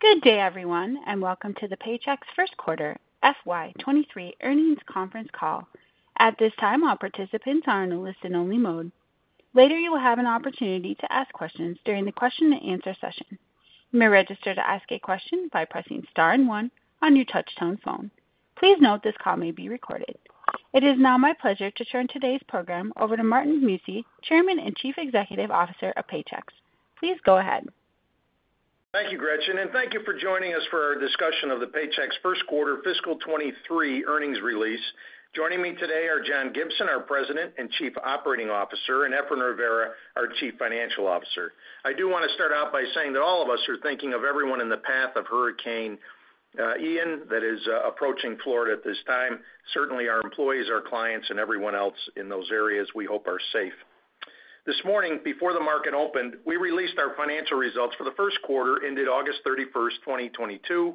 Good day, everyone, and welcome to the Paychex first quarter FY 2023 earnings conference call. At this time, all participants are in a listen only mode. Later, you will have an opportunity to ask questions during the question and answer session. You may register to ask a question by pressing star and one on your touchtone phone. Please note this call may be recorded. It is now my pleasure to turn today's program over to Martin Mucci, Chairman and Chief Executive Officer of Paychex. Please go ahead. Thank you, Gretchen, and thank you for joining us for our discussion of the Paychex first quarter fiscal 2023 earnings release. Joining me today are John Gibson, our President and Chief Operating Officer, and Efrain Rivera, our Chief Financial Officer. I do wanna start out by saying that all of us are thinking of everyone in the path of Hurricane Ian that is approaching Florida at this time. Certainly, our employees, our clients, and everyone else in those areas we hope are safe. This morning, before the market opened, we released our financial results for the first quarter ended August 31, 2022.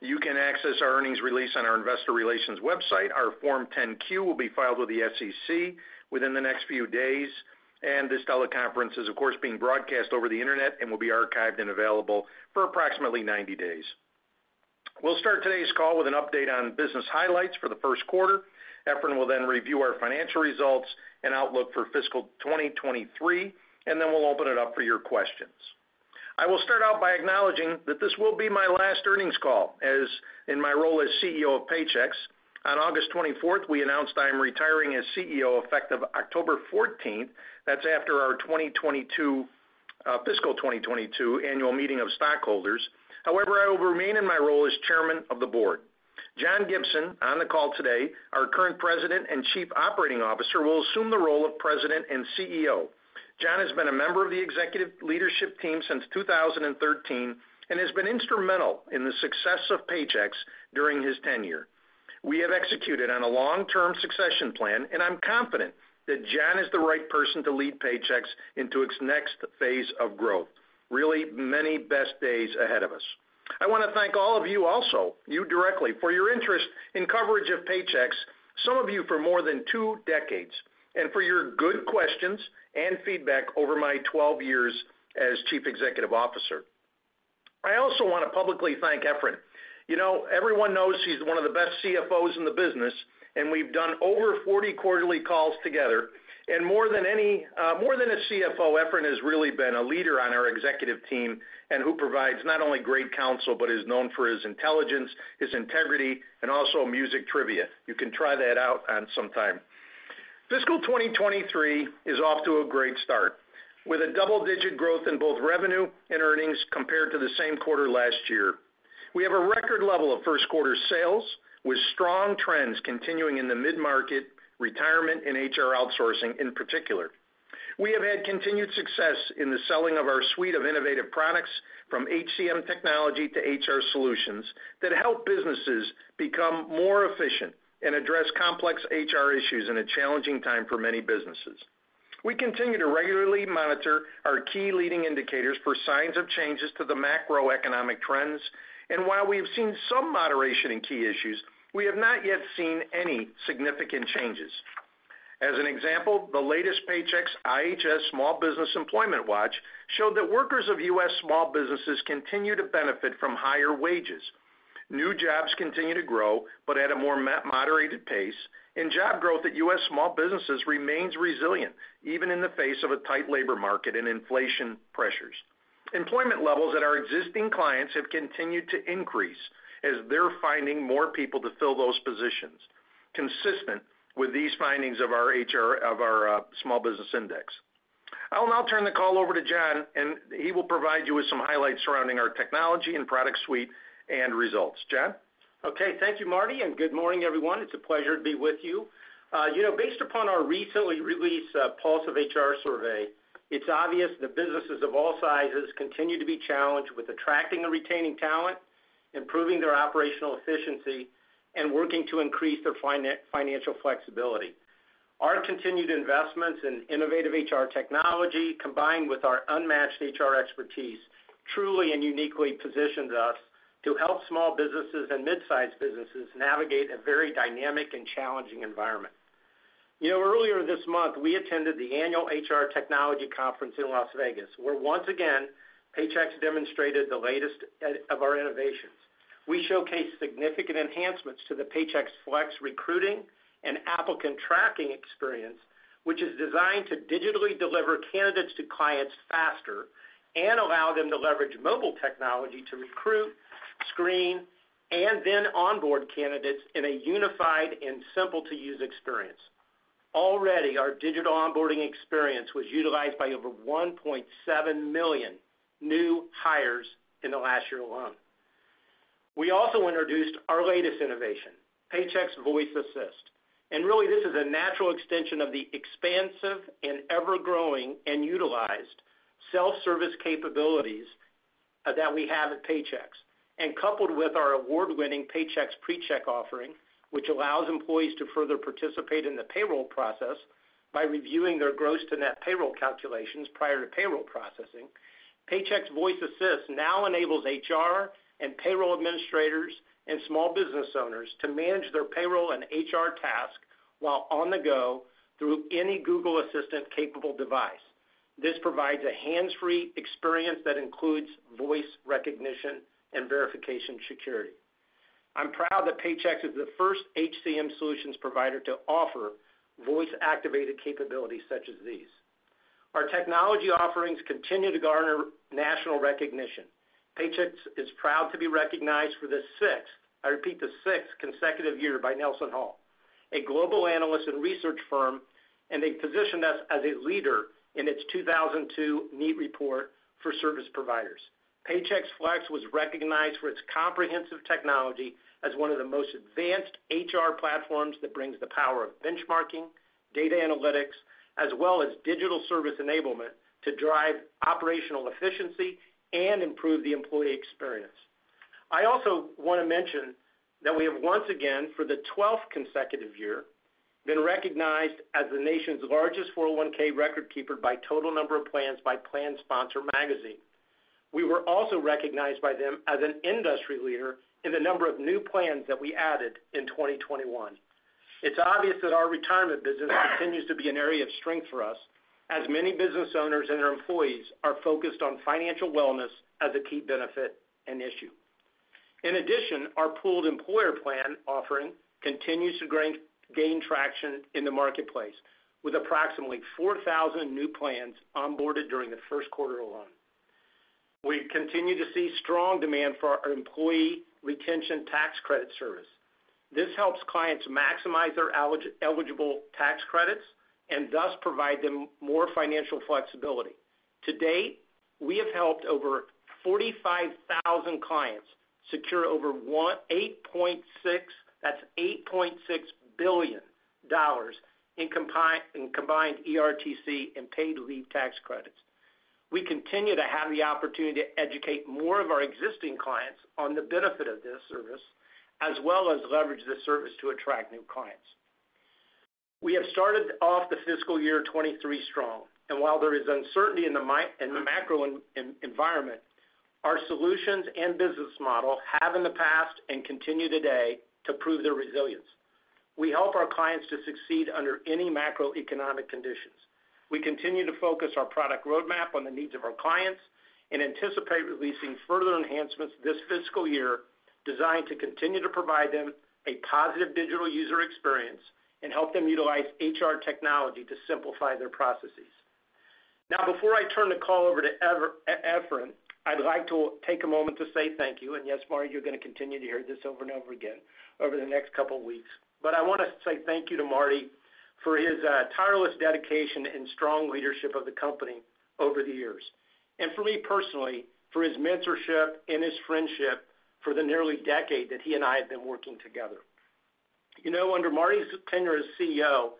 You can access our earnings release on our investor relations website. Our Form 10-Q will be filed with the SEC within the next few days, and this teleconference is of course being broadcast over the Internet and will be archived and available for approximately 90 days. We'll start today's call with an update on business highlights for the first quarter. Efrain will then review our financial results and outlook for fiscal 2023, and then we'll open it up for your questions. I will start out by acknowledging that this will be my last earnings call, as in my role as CEO of Paychex. On August twenty-fourth, we announced I am retiring as CEO effective October fourteenth. That's after our 2022 fiscal 2022 annual meeting of stockholders. However, I will remain in my role as chairman of the board. John Gibson, on the call today, our current President and Chief Operating Officer, will assume the role of President and CEO. John has been a member of the executive leadership team since 2013 and has been instrumental in the success of Paychex during his tenure. We have executed on a long-term succession plan, and I'm confident that John is the right person to lead Paychex into its next phase of growth. Really, many best days ahead of us. I wanna thank all of you also, you directly, for your interest and coverage of Paychex, some of you for more than two decades, and for your good questions and feedback over my 12 years as Chief Executive Officer. I also wanna publicly thank Efrain Rivera. You know, everyone knows he's one of the best CFOs in the business, and we've done over 40 quarterly calls together. More than a CFO, Efrain has really been a leader on our executive team and who provides not only great counsel, but is known for his intelligence, his integrity, and also music trivia. You can try that out on sometime. Fiscal 2023 is off to a great start, with double-digit growth in both revenue and earnings compared to the same quarter last year. We have a record level of first quarter sales, with strong trends continuing in the mid-market, retirement, and HR outsourcing in particular. We have had continued success in the selling of our suite of innovative products, from HCM technology to HR solutions, that help businesses become more efficient and address complex HR issues in a challenging time for many businesses. We continue to regularly monitor our key leading indicators for signs of changes to the macroeconomic trends, and while we have seen some moderation in key issues, we have not yet seen any significant changes. As an example, the latest Paychex IHS Markit Small Business Employment Watch showed that workers of US small businesses continue to benefit from higher wages. New jobs continue to grow, but at a more moderated pace, and job growth at US small businesses remains resilient, even in the face of a tight labor market and inflation pressures. Employment levels at our existing clients have continued to increase as they're finding more people to fill those positions, consistent with these findings of our small business index. I'll now turn the call over to John Gibson, and he will provide you with some highlights surrounding our technology and product suite and results. John? Okay, thank you, Marty, and good morning, everyone. It's a pleasure to be with you. You know, based upon our recently released Pulse of HR survey, it's obvious that businesses of all sizes continue to be challenged with attracting and retaining talent, improving their operational efficiency, and working to increase their financial flexibility. Our continued investments in innovative HR technology, combined with our unmatched HR expertise, truly and uniquely positions us to help small businesses and mid-size businesses navigate a very dynamic and challenging environment. You know, earlier this month, we attended the annual HR Technology Conference in Las Vegas, where once again, Paychex demonstrated the latest of our innovations. We showcased significant enhancements to the Paychex Flex recruiting and applicant tracking experience, which is designed to digitally deliver candidates to clients faster and allow them to leverage mobile technology to recruit, screen, and then onboard candidates in a unified and simple to use experience. Already, our digital onboarding experience was utilized by over 1.7 million new hires in the last year alone. We also introduced our latest innovation, Paychex Voice Assist, and really this is a natural extension of the expansive and ever-growing and utilized self-service capabilities, that we have at Paychex. Coupled with our award-winning Paychex Pre-Check offering, which allows employees to further participate in the payroll process by reviewing their gross to net payroll calculations prior to payroll processing, Paychex Voice Assist now enables HR and payroll administrators and small business owners to manage their payroll and HR tasks while on the go through any Google Assistant capable device. This provides a hands-free experience that includes voice recognition and verification security. I'm proud that Paychex is the first HCM solutions provider to offer voice-activated capabilities such as these. Our technology offerings continue to garner national recognition. Paychex is proud to be recognized for the sixth, I repeat, the sixth consecutive year, by NelsonHall, a global analyst and research firm, and they positioned us as a leader in its 2022 NEAT report for service providers. Paychex Flex was recognized for its comprehensive technology as one of the most advanced HR platforms that brings the power of benchmarking, data analytics, as well as digital service enablement to drive operational efficiency and improve the employee experience. I also wanna mention that we have once again, for the twelfth consecutive year, been recognized as the nation's largest 401(k) record keeper by total number of plans by PLANSPONSOR. We were also recognized by them as an industry leader in the number of new plans that we added in 2021. It's obvious that our retirement business continues to be an area of strength for us, as many business owners and their employees are focused on financial wellness as a key benefit and issue. In addition, our Pooled Employer Plan offering continues to gain traction in the marketplace, with approximately 4,000 new plans onboarded during the first quarter alone. We continue to see strong demand for our employee retention tax credit service. This helps clients maximize their eligible tax credits and thus provide them more financial flexibility. To date, we have helped over 45,000 clients secure over $8.6 billion in combined ERTC and paid leave tax credits. We continue to have the opportunity to educate more of our existing clients on the benefit of this service, as well as leverage this service to attract new clients. We have started off the fiscal year 2023 strong, while there is uncertainty in the macro environment, our solutions and business model have in the past and continue today to prove their resilience. We help our clients to succeed under any macroeconomic conditions. We continue to focus our product roadmap on the needs of our clients and anticipate releasing further enhancements this fiscal year designed to continue to provide them a positive digital user experience and help them utilize HR technology to simplify their processes. Now, before I turn the call over to Efrain, I'd like to take a moment to say thank you. Yes, Marty, you're gonna continue to hear this over and over again over the next couple weeks. I wanna say thank you to Marty for his tireless dedication and strong leadership of the company over the years, and for me personally, for his mentorship and his friendship for nearly a decade that he and I have been working together. You know, under Marty's tenure as CEO,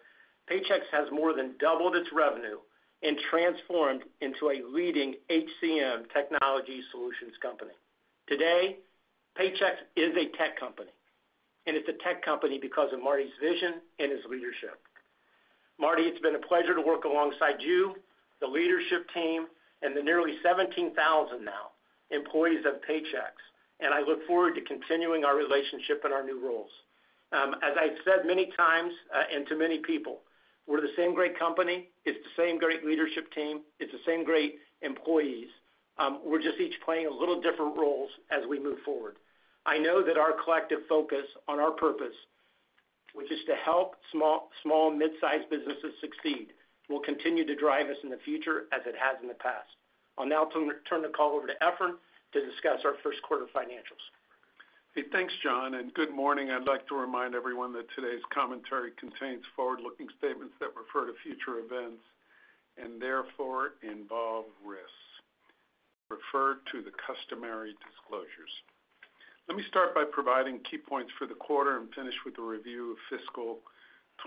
Paychex has more than doubled its revenue and transformed into a leading HCM technology solutions company. Today, Paychex is a tech company, and it's a tech company because of Marty's vision and his leadership. Marty, it's been a pleasure to work alongside you, the leadership team, and the nearly 17,000 now employees of Paychex, and I look forward to continuing our relationship in our new roles. As I've said many times and to many people, we're the same great company, it's the same great leadership team, it's the same great employees, we're just each playing a little different roles as we move forward. I know that our collective focus on our purpose, which is to help small mid-sized businesses succeed, will continue to drive us in the future as it has in the past. I'll now turn the call over to Efrain to discuss our first quarter financials. Hey, thanks, John, and good morning. I'd like to remind everyone that today's commentary contains forward-looking statements that refer to future events and therefore involve risks. Refer to the customary disclosures. Let me start by providing key points for the quarter and finish with a review of fiscal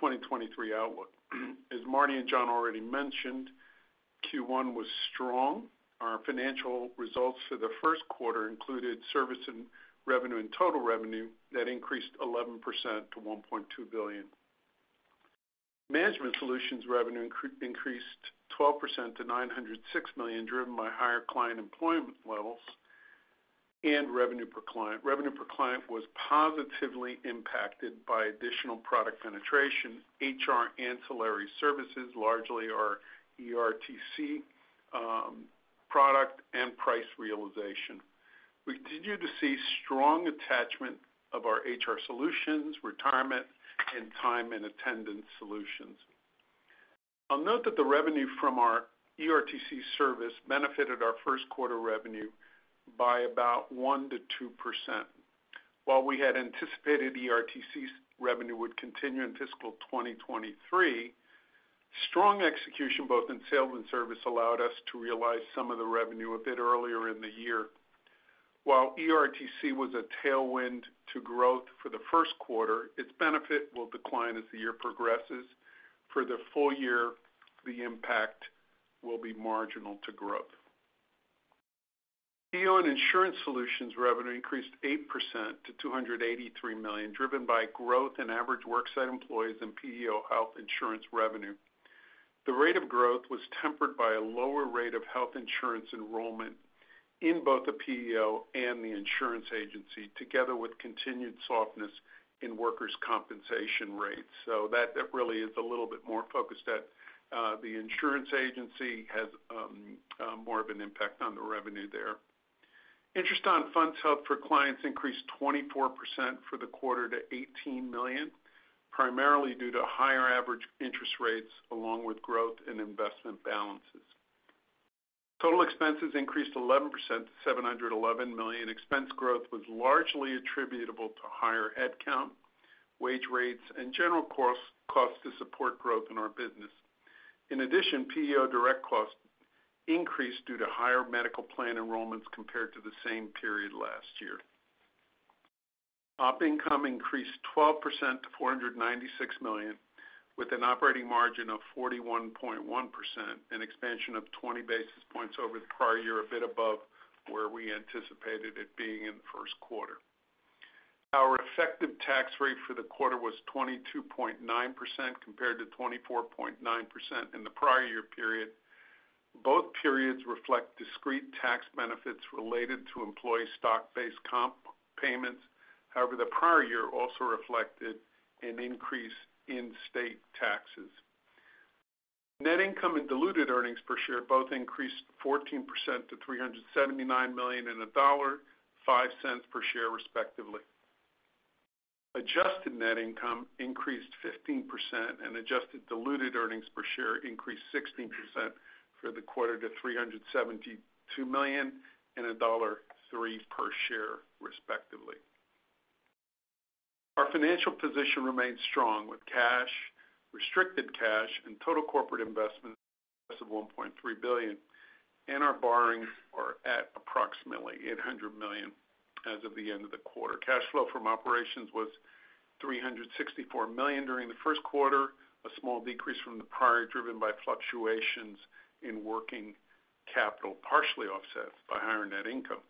2023 outlook. As Marty and John already mentioned, Q1 was strong. Our financial results for the first quarter included service revenue and total revenue that increased 11% to $1.2 billion. Management solutions revenue increased 12% to $906 million, driven by higher client employment levels and revenue per client. Revenue per client was positively impacted by additional product penetration, HR ancillary services, largely our ERTC product, and price realization. We continue to see strong attachment of our HR solutions, retirement, and time and attendance solutions. I'll note that the revenue from our ERTC service benefited our first quarter revenue by about 1%-2%. While we had anticipated ERTC's revenue would continue in fiscal 2023, strong execution both in sales and service allowed us to realize some of the revenue a bit earlier in the year. While ERTC was a tailwind to growth for the first quarter, its benefit will decline as the year progresses. For the full year, the impact will be marginal to growth. PEO and insurance solutions revenue increased 8% to $283 million, driven by growth in average worksite employees and PEO health insurance revenue. The rate of growth was tempered by a lower rate of health insurance enrollment in both the PEO and the insurance agency, together with continued softness in workers' compensation rates. That really is a little bit more focused at the insurance agency has more of an impact on the revenue there. Interest on funds held for clients increased 24% for the quarter to $18 million, primarily due to higher average interest rates along with growth in investment balances. Total expenses increased 11% to $711 million. Expense growth was largely attributable to higher headcount, wage rates and general cost to support growth in our business. In addition, PEO direct costs increased due to higher medical plan enrollments compared to the same period last year. Op income increased 12% to $496 million, with an operating margin of 41.1%, an expansion of 20 basis points over the prior year, a bit above where we anticipated it being in the first quarter. Our effective tax rate for the quarter was 22.9% compared to 24.9% in the prior year period. Both periods reflect discrete tax benefits related to employee stock-based comp payments. However, the prior year also reflected an increase in state taxes. Net income and diluted earnings per share both increased 14% to $379 million and $1.05 per share, respectively. Adjusted net income increased 15%, and adjusted diluted earnings per share increased 16% for the quarter to $372 million and $1.03 per share, respectively. Our financial position remains strong with cash, restricted cash and total corporate investments of $1.3 billion, and our borrowings are at approximately $800 million as of the end of the quarter. Cash flow from operations was $364 million during the first quarter, a small decrease from the prior, driven by fluctuations in working capital, partially offset by higher net income.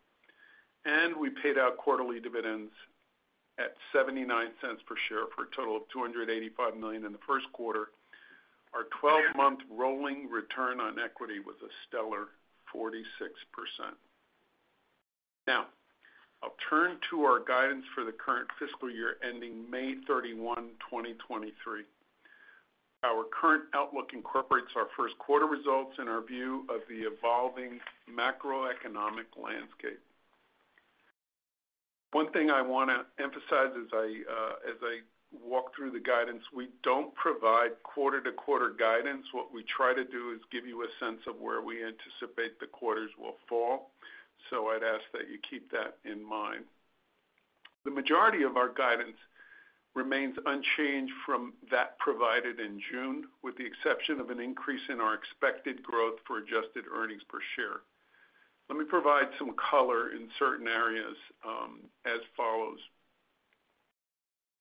We paid out quarterly dividends at $0.79 per share for a total of $285 million in the first quarter. Our 12-month rolling return on equity was a stellar 46%. Now, I'll turn to our guidance for the current fiscal year ending May 31, 2023. Our current outlook incorporates our first quarter results and our view of the evolving macroeconomic landscape. One thing I wanna emphasize as I walk through the guidance, we don't provide quarter-to-quarter guidance. What we try to do is give you a sense of where we anticipate the quarters will fall. So I'd ask that you keep that in mind. The majority of our guidance remains unchanged from that provided in June, with the exception of an increase in our expected growth for adjusted earnings per share. Let me provide some color in certain areas, as follows: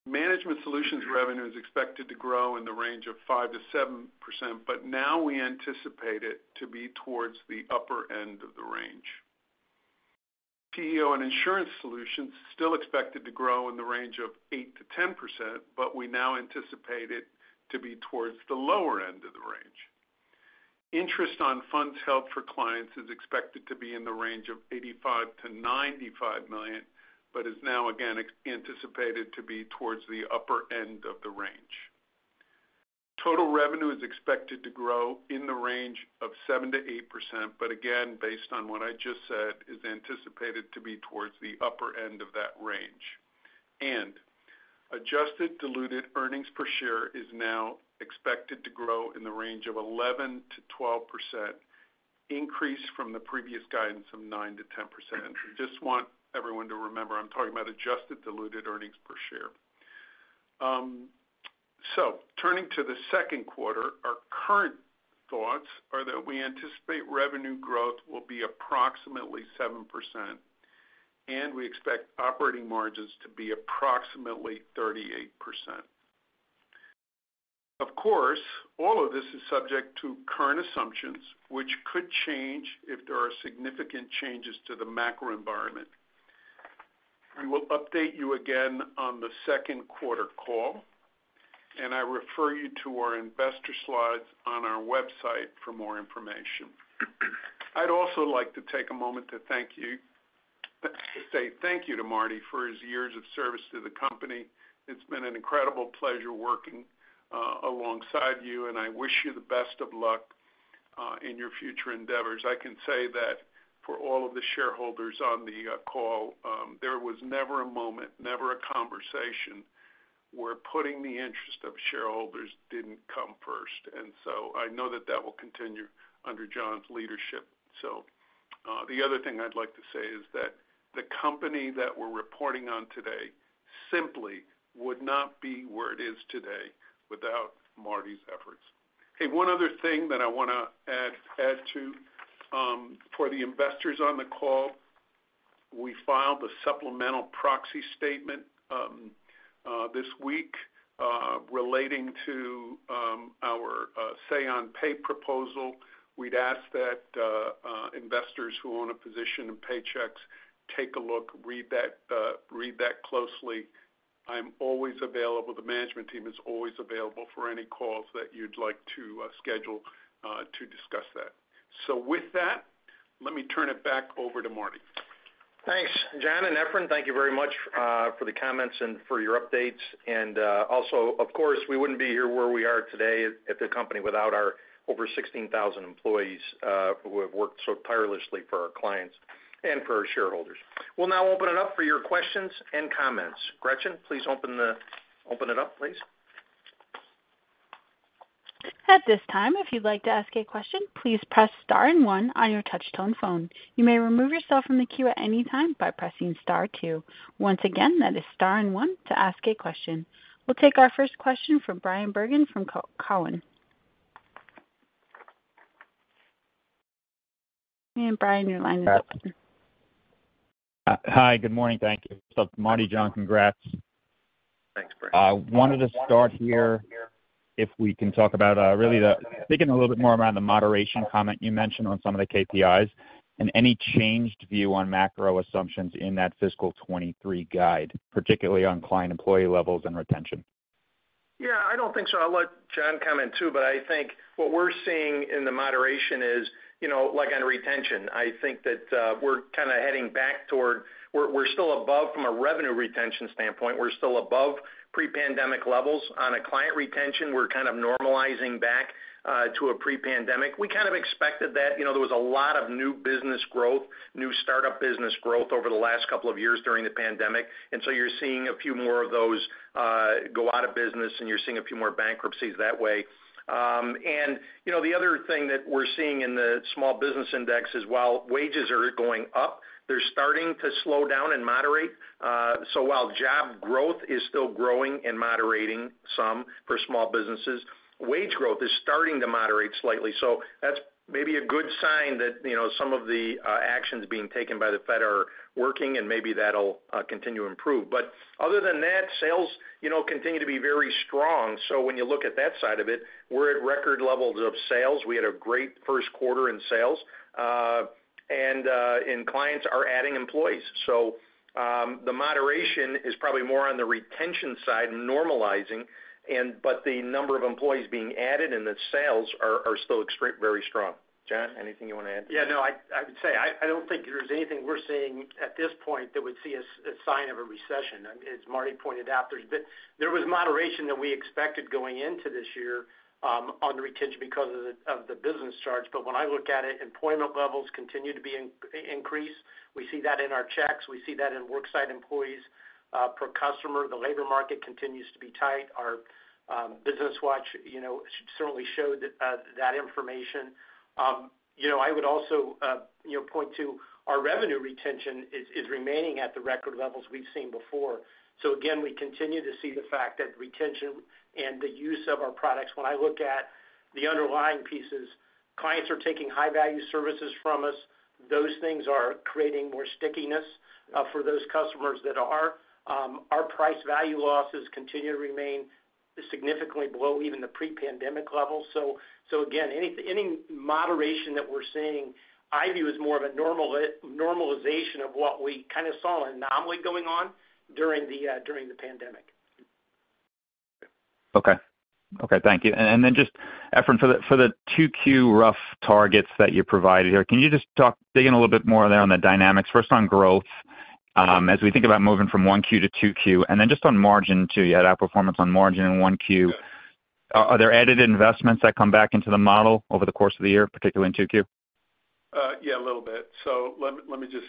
Management solutions revenue is expected to grow in the range of 5%-7%, but now we anticipate it to be towards the upper end of the range. PEO and insurance solutions still expected to grow in the range of 8%-10%, but we now anticipate it to be towards the lower end of the range. Interest on funds held for clients is expected to be in the range of $85 million-$95 million, but is now again anticipated to be towards the upper end of the range. Total revenue is expected to grow in the range of 7%-8%, but again, based on what I just said, is anticipated to be towards the upper end of that range. Adjusted diluted earnings per share is now expected to grow in the range of 11%-12%, increase from the previous guidance of 9%-10%. Just want everyone to remember, I'm talking about adjusted diluted earnings per share. Turning to the second quarter, our current thoughts are that we anticipate revenue growth will be approximately 7%, and we expect operating margins to be approximately 38%. Of course, all of this is subject to current assumptions, which could change if there are significant changes to the macro environment. We will update you again on the second quarter call, and I refer you to our investor slides on our website for more information. I'd also like to take a moment to say thank you to Marty for his years of service to the company. It's been an incredible pleasure working alongside you, and I wish you the best of luck in your future endeavors. I can say that for all of the shareholders on the call, there was never a moment, never a conversation where putting the interest of shareholders didn't come first. I know that that will continue under John's leadership. The other thing I'd like to say is that the company that we're reporting on today simply would not be where it is today without Marty's efforts. Hey, one other thing that I wanna add to for the investors on the call. We filed a supplemental proxy statement this week relating to our say on pay proposal. We'd ask that investors who own a position in Paychex take a look, read that closely. I'm always available, the management team is always available for any calls that you'd like to schedule to discuss that. With that, let me turn it back over to Marty. Thanks, John and Efrain, thank you very much for the comments and for your updates. Also, of course, we wouldn't be here where we are today at the company without our over 16,000 employees who have worked so tirelessly for our clients and for our shareholders. We'll now open it up for your questions and comments. Gretchen, please open it up, please. At this time, if you'd like to ask a question, please press star and one on your touch tone phone. You may remove yourself from the queue at any time by pressing star two. Once again, that is star and one to ask a question. We'll take our first question from Bryan Bergin from TD Cowen. Bryan, your line is open. Hi. Good morning. Thank you. Marty, John, congrats. Thanks, Brian. I wanted to start here if we can talk about really digging a little bit more around the moderation comment you mentioned on some of the KPIs and any changed view on macro assumptions in that fiscal 2023 guide, particularly on client employee levels and retention. Yeah, I don't think so. I'll let John comment too, but I think what we're seeing in the moderation is, you know, like on retention, I think that we're still above from a revenue retention standpoint. We're still above pre-pandemic levels. On a client retention, we're kind of normalizing back to a pre-pandemic. We kind of expected that. You know, there was a lot of new business growth, new startup business growth over the last couple of years during the pandemic. You're seeing a few more of those go out of business, and you're seeing a few more bankruptcies that way. You know, the other thing that we're seeing in the small business index is while wages are going up, they're starting to slow down and moderate. While job growth is still growing and moderating some for small businesses, wage growth is starting to moderate slightly. That's maybe a good sign that, you know, some of the actions being taken by the Fed are working, and maybe that'll continue to improve. But other than that, sales, you know, continue to be very strong. When you look at that side of it, we're at record levels of sales. We had a great first quarter in sales, and clients are adding employees. The moderation is probably more on the retention side normalizing, but the number of employees being added and the sales are still very strong. John, anything you wanna add? Yeah, no. I would say, I don't think there's anything we're seeing at this point that would see a sign of a recession. As Marty pointed out, there's been. There was moderation that we expected going into this year, on retention because of the business churn. But when I look at it, employment levels continue to be increased. We see that in our checks. We see that in worksite employees per customer. The labor market continues to be tight. Our business watch, you know, certainly showed that information. You know, I would also, you know, point to our revenue retention is remaining at the record levels we've seen before. Again, we continue to see the fact that retention and the use of our products. When I look at the underlying pieces, clients are taking high-value services from us. Those things are creating more stickiness for those customers that are our price value losses continue to remain significantly below even the pre-pandemic levels. Again, any moderation that we're seeing I view as more of a normalization of what we kinda saw an anomaly going on during the pandemic. Okay. Okay, thank you. Just Efrain for the 2Q rough targets that you provided here, can you just talk, dig in a little bit more there on the dynamics, first on growth, as we think about moving from 1Q to 2Q, and then just on margin too. You had outperformance on margin in 1Q. Are there added investments that come back into the model over the course of the year, particularly in 2Q? Yeah, a little bit. Let me just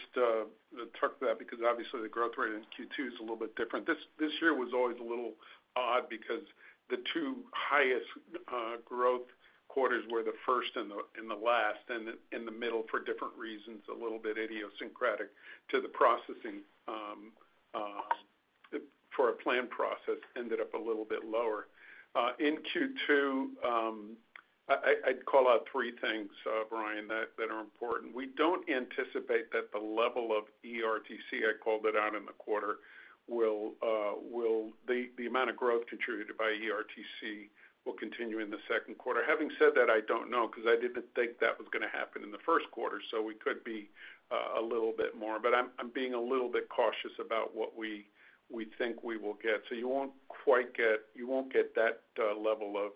talk to that because obviously the growth rate in Q2 is a little bit different. This year was always a little odd because the two highest growth quarters were the first and the last and the middle for different reasons, a little bit idiosyncratic to the processing for our plan process ended up a little bit lower. In Q2, I'd call out three things, Brian, that are important. We don't anticipate that the level of ERTC, I called it out in the quarter, will. The amount of growth contributed by ERTC will continue in the second quarter. Having said that, I don't know because I didn't think that was gonna happen in the first quarter, so we could be a little bit more. I'm being a little bit cautious about what we think we will get. You won't get that level of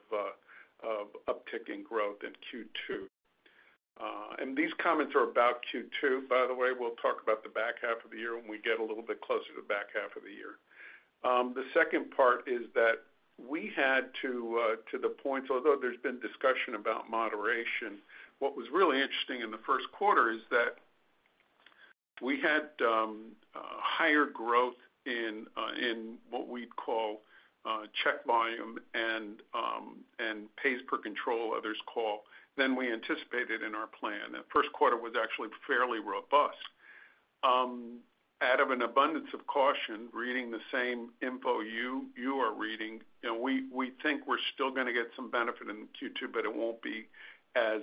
uptick in growth in Q2. These comments are about Q2, by the way. We'll talk about the back half of the year when we get a little bit closer to the back half of the year. To the point, although there's been discussion about moderation, what was really interesting in the first quarter is that we had higher growth in what we'd call check volume and pays per check or others call than we anticipated in our plan. The first quarter was actually fairly robust. Out of an abundance of caution, reading the same info you are reading, you know, we think we're still gonna get some benefit in Q2, but it won't be as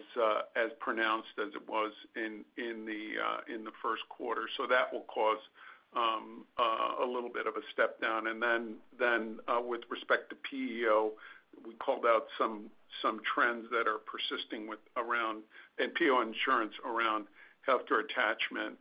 pronounced as it was in the first quarter. That will cause a little bit of a step down. With respect to PEO, we called out some trends that are persisting around PEO insurance, around health care attachment,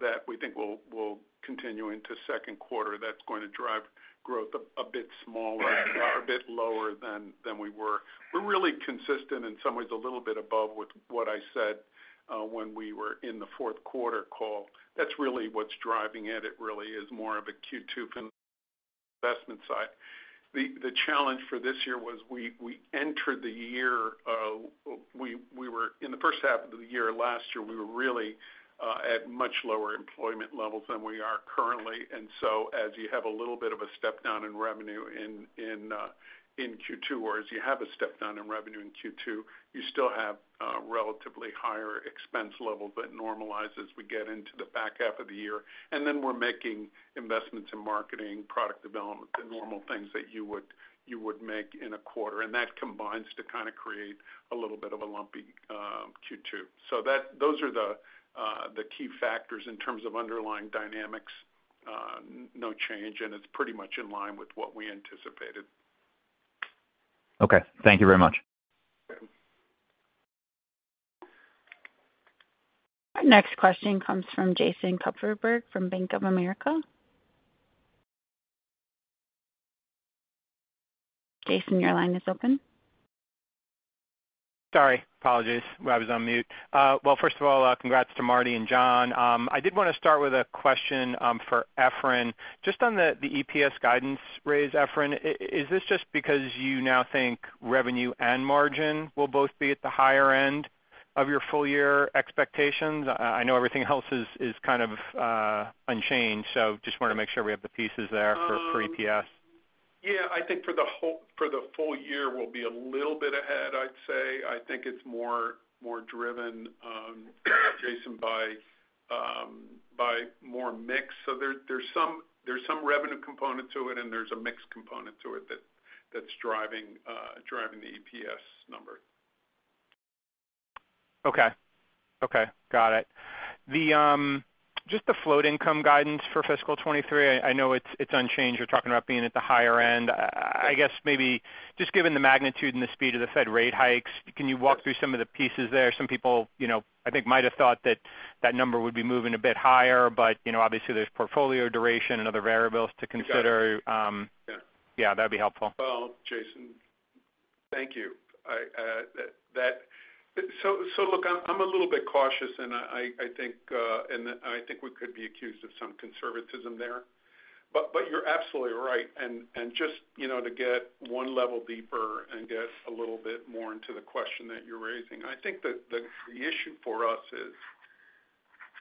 that we think will continue into second quarter. That's going to drive growth a bit smaller or a bit lower than we were. We're really consistent, in some ways a little bit above with what I said, when we were in the fourth quarter call. That's really what's driving it. It really is more of a Q2 investment side. The challenge for this year was we entered the year, we were in the first half of the year last year, we were really at much lower employment levels than we are currently. As you have a little bit of a step down in revenue in Q2, you still have relatively higher expense levels that normalize as we get into the back half of the year. Then we're making investments in marketing, product development, the normal things that you would make in a quarter. That combines to kind of create a little bit of a lumpy Q2. Those are the key factors in terms of underlying dynamics. No change, and it's pretty much in line with what we anticipated. Okay. Thank you very much. Okay. Our next question comes from Jason Kupferberg from Bank of America. Jason, your line is open. Sorry. Apologies. I was on mute. Well, first of all, congrats to Marty and John. I did want to start with a question for Efrain. Just on the EPS guidance raise, Efrain. Is this just because you now think revenue and margin will both be at the higher end of your full year expectations? I know everything else is kind of unchanged, so just want to make sure we have the pieces there for EPS. Yeah, I think for the full year, we'll be a little bit ahead, I'd say. I think it's more driven, Jason, by more mix. There's some revenue component to it, and there's a mix component to it that's driving the EPS number. Okay. Got it. The just the float income guidance for fiscal 2023. I know it's unchanged. You're talking about being at the higher end. I guess maybe just given the magnitude and the speed of the Fed rate hikes, can you walk through some of the pieces there? Some people, you know, I think, might have thought that number would be moving a bit higher. You know, obviously there's portfolio duration and other variables to consider. You got it. Yeah. Yeah, that'd be helpful. Well, Jason, thank you. Look, I'm a little bit cautious, and I think we could be accused of some conservatism there. You're absolutely right. Just, you know, to get one level deeper and get a little bit more into the question that you're raising, I think that the issue for us is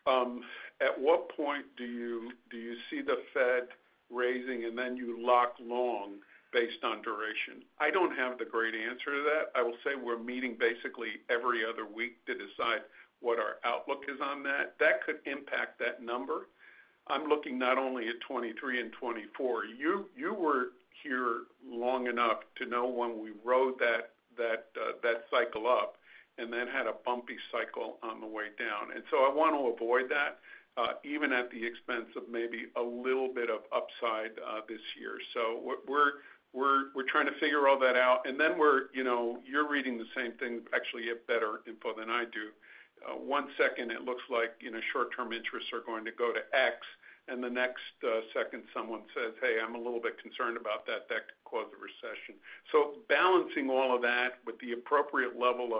at what point do you see the Fed raising and then you lock long based on duration? I don't have the great answer to that. I will say we're meeting basically every other week to decide what our outlook is on that. That could impact that number. I'm looking not only at 2023 and 2024. You were here long enough to know when we rode that cycle up and then had a bumpy cycle on the way down. I want to avoid that even at the expense of maybe a little bit of upside this year. We're trying to figure all that out, and then, you know, you're reading the same thing, actually, you have better info than I do. One second it looks like, you know, short-term interest rates are going to go to X, and the next second, someone says, "Hey, I'm a little bit concerned about that. That could cause a recession." Balancing all of that with the appropriate level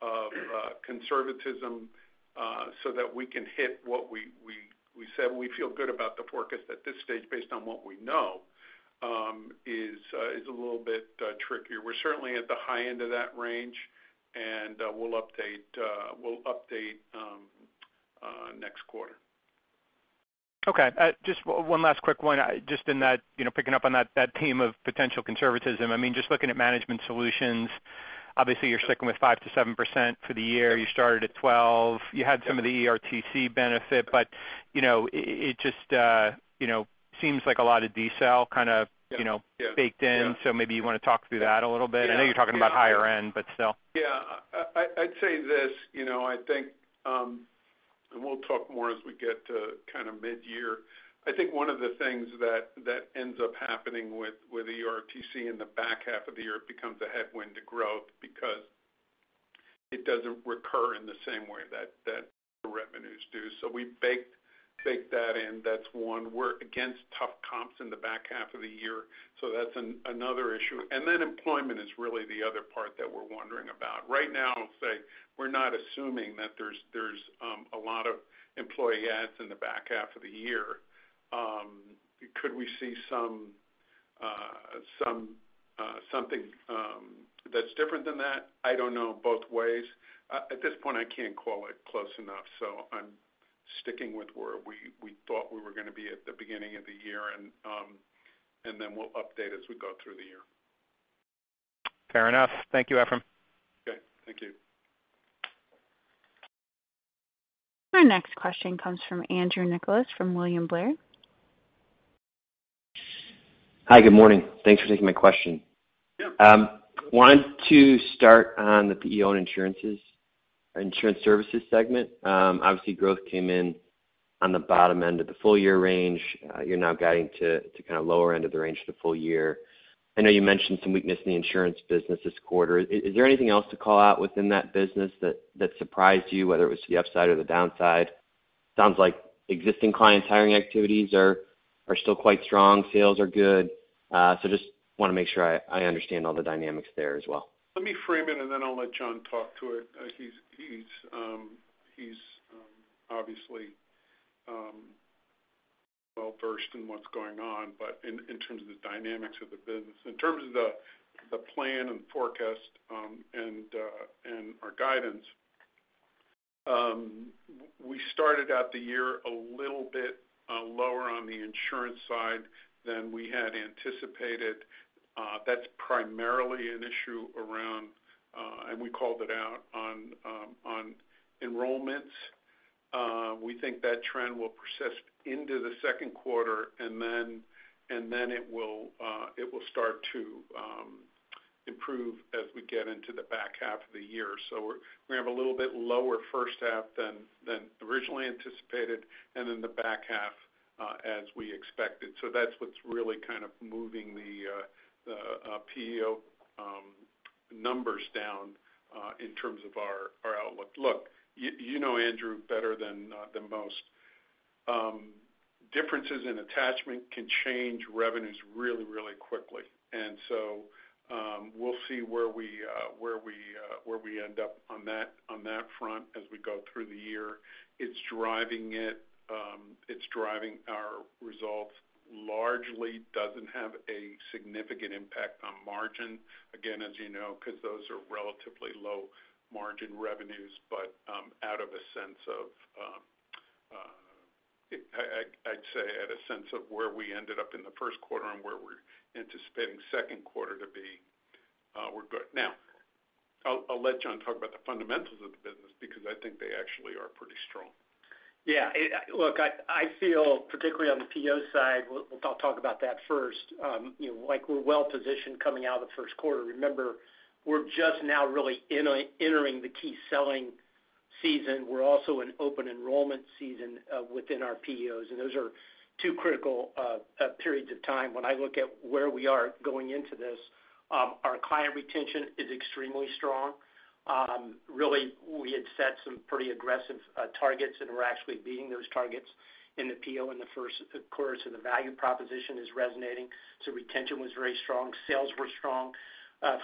of conservatism, so that we can hit what we said we feel good about the forecast at this stage based on what we know is a little bit trickier. We're certainly at the high end of that range, and we'll update next quarter. Okay. Just one last quick one. Just in that, you know, picking up on that theme of potential conservatism. I mean, just looking at management solutions, obviously you're sticking with 5%-7% for the year. You started at 12, you had some of the ERTC benefit, but you know, it just, you know, seems like a lot of decel kind of, you know, baked in. Yeah. Yeah. Maybe you want to talk through that a little bit. I know you're talking about higher end, but still. Yeah. I'd say this, you know, I think, and we'll talk more as we get to kind of mid-year. I think one of the things that ends up happening with ERTC in the back half of the year. It becomes a headwind to growth because it doesn't recur in the same way that the revenues do. We baked that in. That's one. We're against tough comps in the back half of the year, so that's another issue. Employment is really the other part that we're wondering about. Right now, I'll say we're not assuming that there's a lot of employee adds in the back half of the year. Could we see something that's different than that? I don't know both ways. At this point, I can't call it close enough, so I'm sticking with where we thought we were gonna be at the beginning of the year, and then we'll update as we go through the year. Fair enough. Thank you, Efrain. Okay. Thank you. Our next question comes from Andrew Nicholas from William Blair. Hi. Good morning. Thanks for taking my question. Yeah. Wanted to start on the PEO and insurance services segment. Obviously, growth came in on the bottom end of the full year range. You're now guiding to kinda lower end of the range for the full year. I know you mentioned some weakness in the insurance business this quarter. Is there anything else to call out within that business that surprised you, whether it was to the upside or the downside? Sounds like existing clients' hiring activities are still quite strong. Sales are good. Just wanna make sure I understand all the dynamics there as well. Let me frame it, and then I'll let John talk to it. He's obviously well-versed in what's going on, but in terms of the dynamics of the business. In terms of the plan and forecast, and our guidance, we started out the year a little bit lower on the insurance side than we had anticipated. That's primarily an issue around, and we called it out on enrollments. We think that trend will persist into the second quarter and then it will start to improve as we get into the back half of the year. We're gonna have a little bit lower first half than originally anticipated and then the back half as we expected. That's what's really kind of moving the PEO numbers down in terms of our outlook. Look, you know, Andrew, better than most, differences in attachment can change revenues really quickly. We'll see where we end up on that front as we go through the year. It's driving it. It's driving our results, largely doesn't have a significant impact on margin, again, as you know, 'cause those are relatively low margin revenues, but out of a sense of, I'd say at a sense of where we ended up in the first quarter and where we're anticipating second quarter to be, we're good. Now I'll let John talk about the fundamentals of the business because I think they actually are pretty strong. Look, I feel particularly on the PEO side, we'll talk about that first, you know, like we're well positioned coming out of the first quarter. Remember, we're just now really entering the key selling season. We're also in open enrollment season within our PEOs, and those are two critical periods of time. When I look at where we are going into this, our client retention is extremely strong. Really we had set some pretty aggressive targets, and we're actually beating those targets in the PEO in the first quarter, so the value proposition is resonating. Retention was very strong. Sales were strong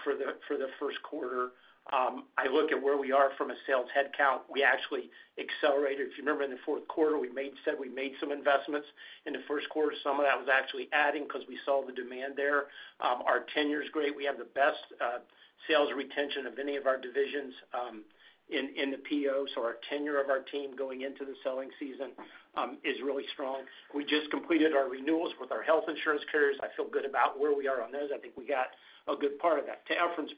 for the first quarter. I look at where we are from a sales headcount. We actually accelerated. If you remember in the fourth quarter, we said we made some investments. In the first quarter, some of that was actually adding 'cause we saw the demand there. Our tenure is great. We have the best sales retention of any of our divisions in the PEOs. Our tenure of our team going into the selling season is really strong. We just completed our renewals with our health insurance carriers. I feel good about where we are on those. I think we got a good part of that. To Efrain's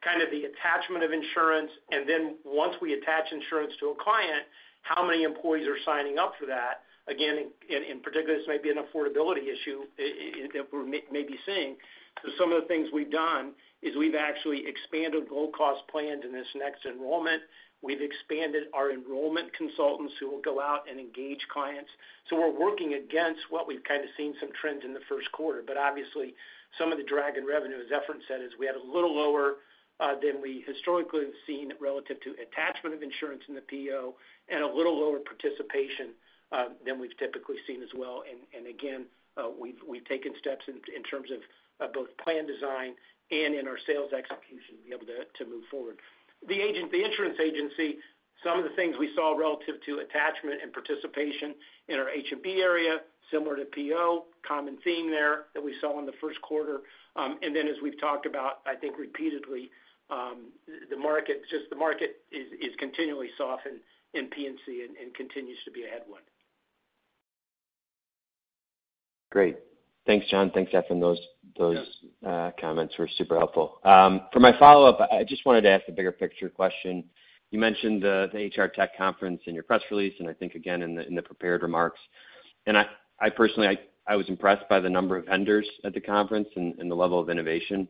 point, kind of the attachment of insurance and then once we attach insurance to a client, how many employees are signing up for that, again, in particular, this may be an affordability issue that we're maybe seeing. Some of the things we've done is we've actually expanded low cost plans in this next enrollment. We've expanded our enrollment consultants who will go out and engage clients. We're working against what we've kinda seen some trends in the first quarter. Obviously some of the drag in revenue, as Efrain said, is we had a little lower than we historically have seen relative to attachment of insurance in the PEO and a little lower participation than we've typically seen as well. Again, we've taken steps in terms of both plan design and in our sales execution to be able to move forward. The insurance agency, some of the things we saw relative to attachment and participation in our H&B area, similar to PEO, common theme there that we saw in the first quarter. As we've talked about, I think repeatedly, the market, just the market is continually softened in P&C and continues to be a headwind. Great. Thanks, John. Thanks, Efrain. Those Yeah. Comments were super helpful. For my follow-up, I just wanted to ask a bigger picture question. You mentioned the HR Tech conference in your press release, and I think again in the prepared remarks, and I personally was impressed by the number of vendors at the conference and the level of innovation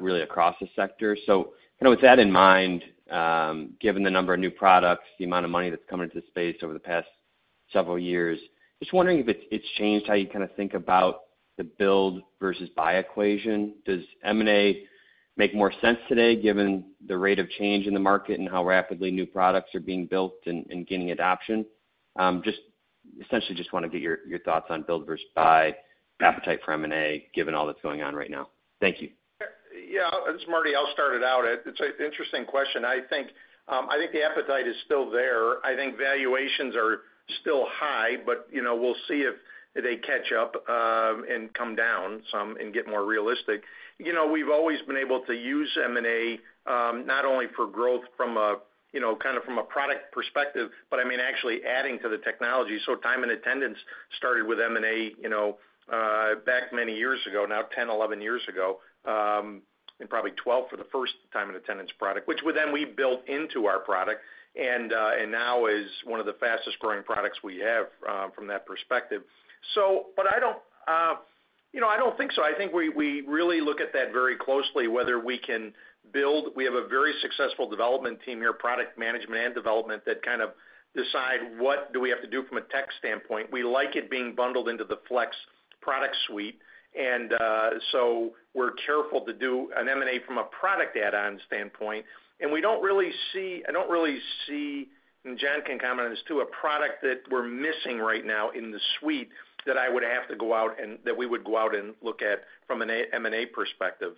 really across the sector. You know, with that in mind, given the number of new products, the amount of money that's come into this space over the past several years, just wondering if it's changed how you kinda think about the build versus buy equation. Does M&A make more sense today given the rate of change in the market and how rapidly new products are being built and gaining adoption? Essentially just wanna get your thoughts on build versus buy, appetite for M&A, given all that's going on right now. Thank you. Yeah. This is Marty. I'll start it out. It's an interesting question. I think the appetite is still there. I think valuations are still high, but, you know, we'll see if they catch up, and come down some and get more realistic. You know, we've always been able to use M&A, not only for growth from a, you know, kind of from a product perspective, but I mean, actually adding to the technology. Time and attendance started with M&A, you know, back many years ago, now 10, 11 years ago, and probably 12 for the first time and attendance product, which we then built into our product and now is one of the fastest growing products we have, from that perspective. I don't, You know, I don't think so. I think we really look at that very closely, whether we can build. We have a very successful development team here, product management and development, that kind of decide what do we have to do from a tech standpoint. We like it being bundled into the Flex product suite, and so we're careful to do an M&A from a product add-on standpoint, and I don't really see, and John can comment on this too, a product that we're missing right now in the suite that we would go out and look at from an M&A perspective.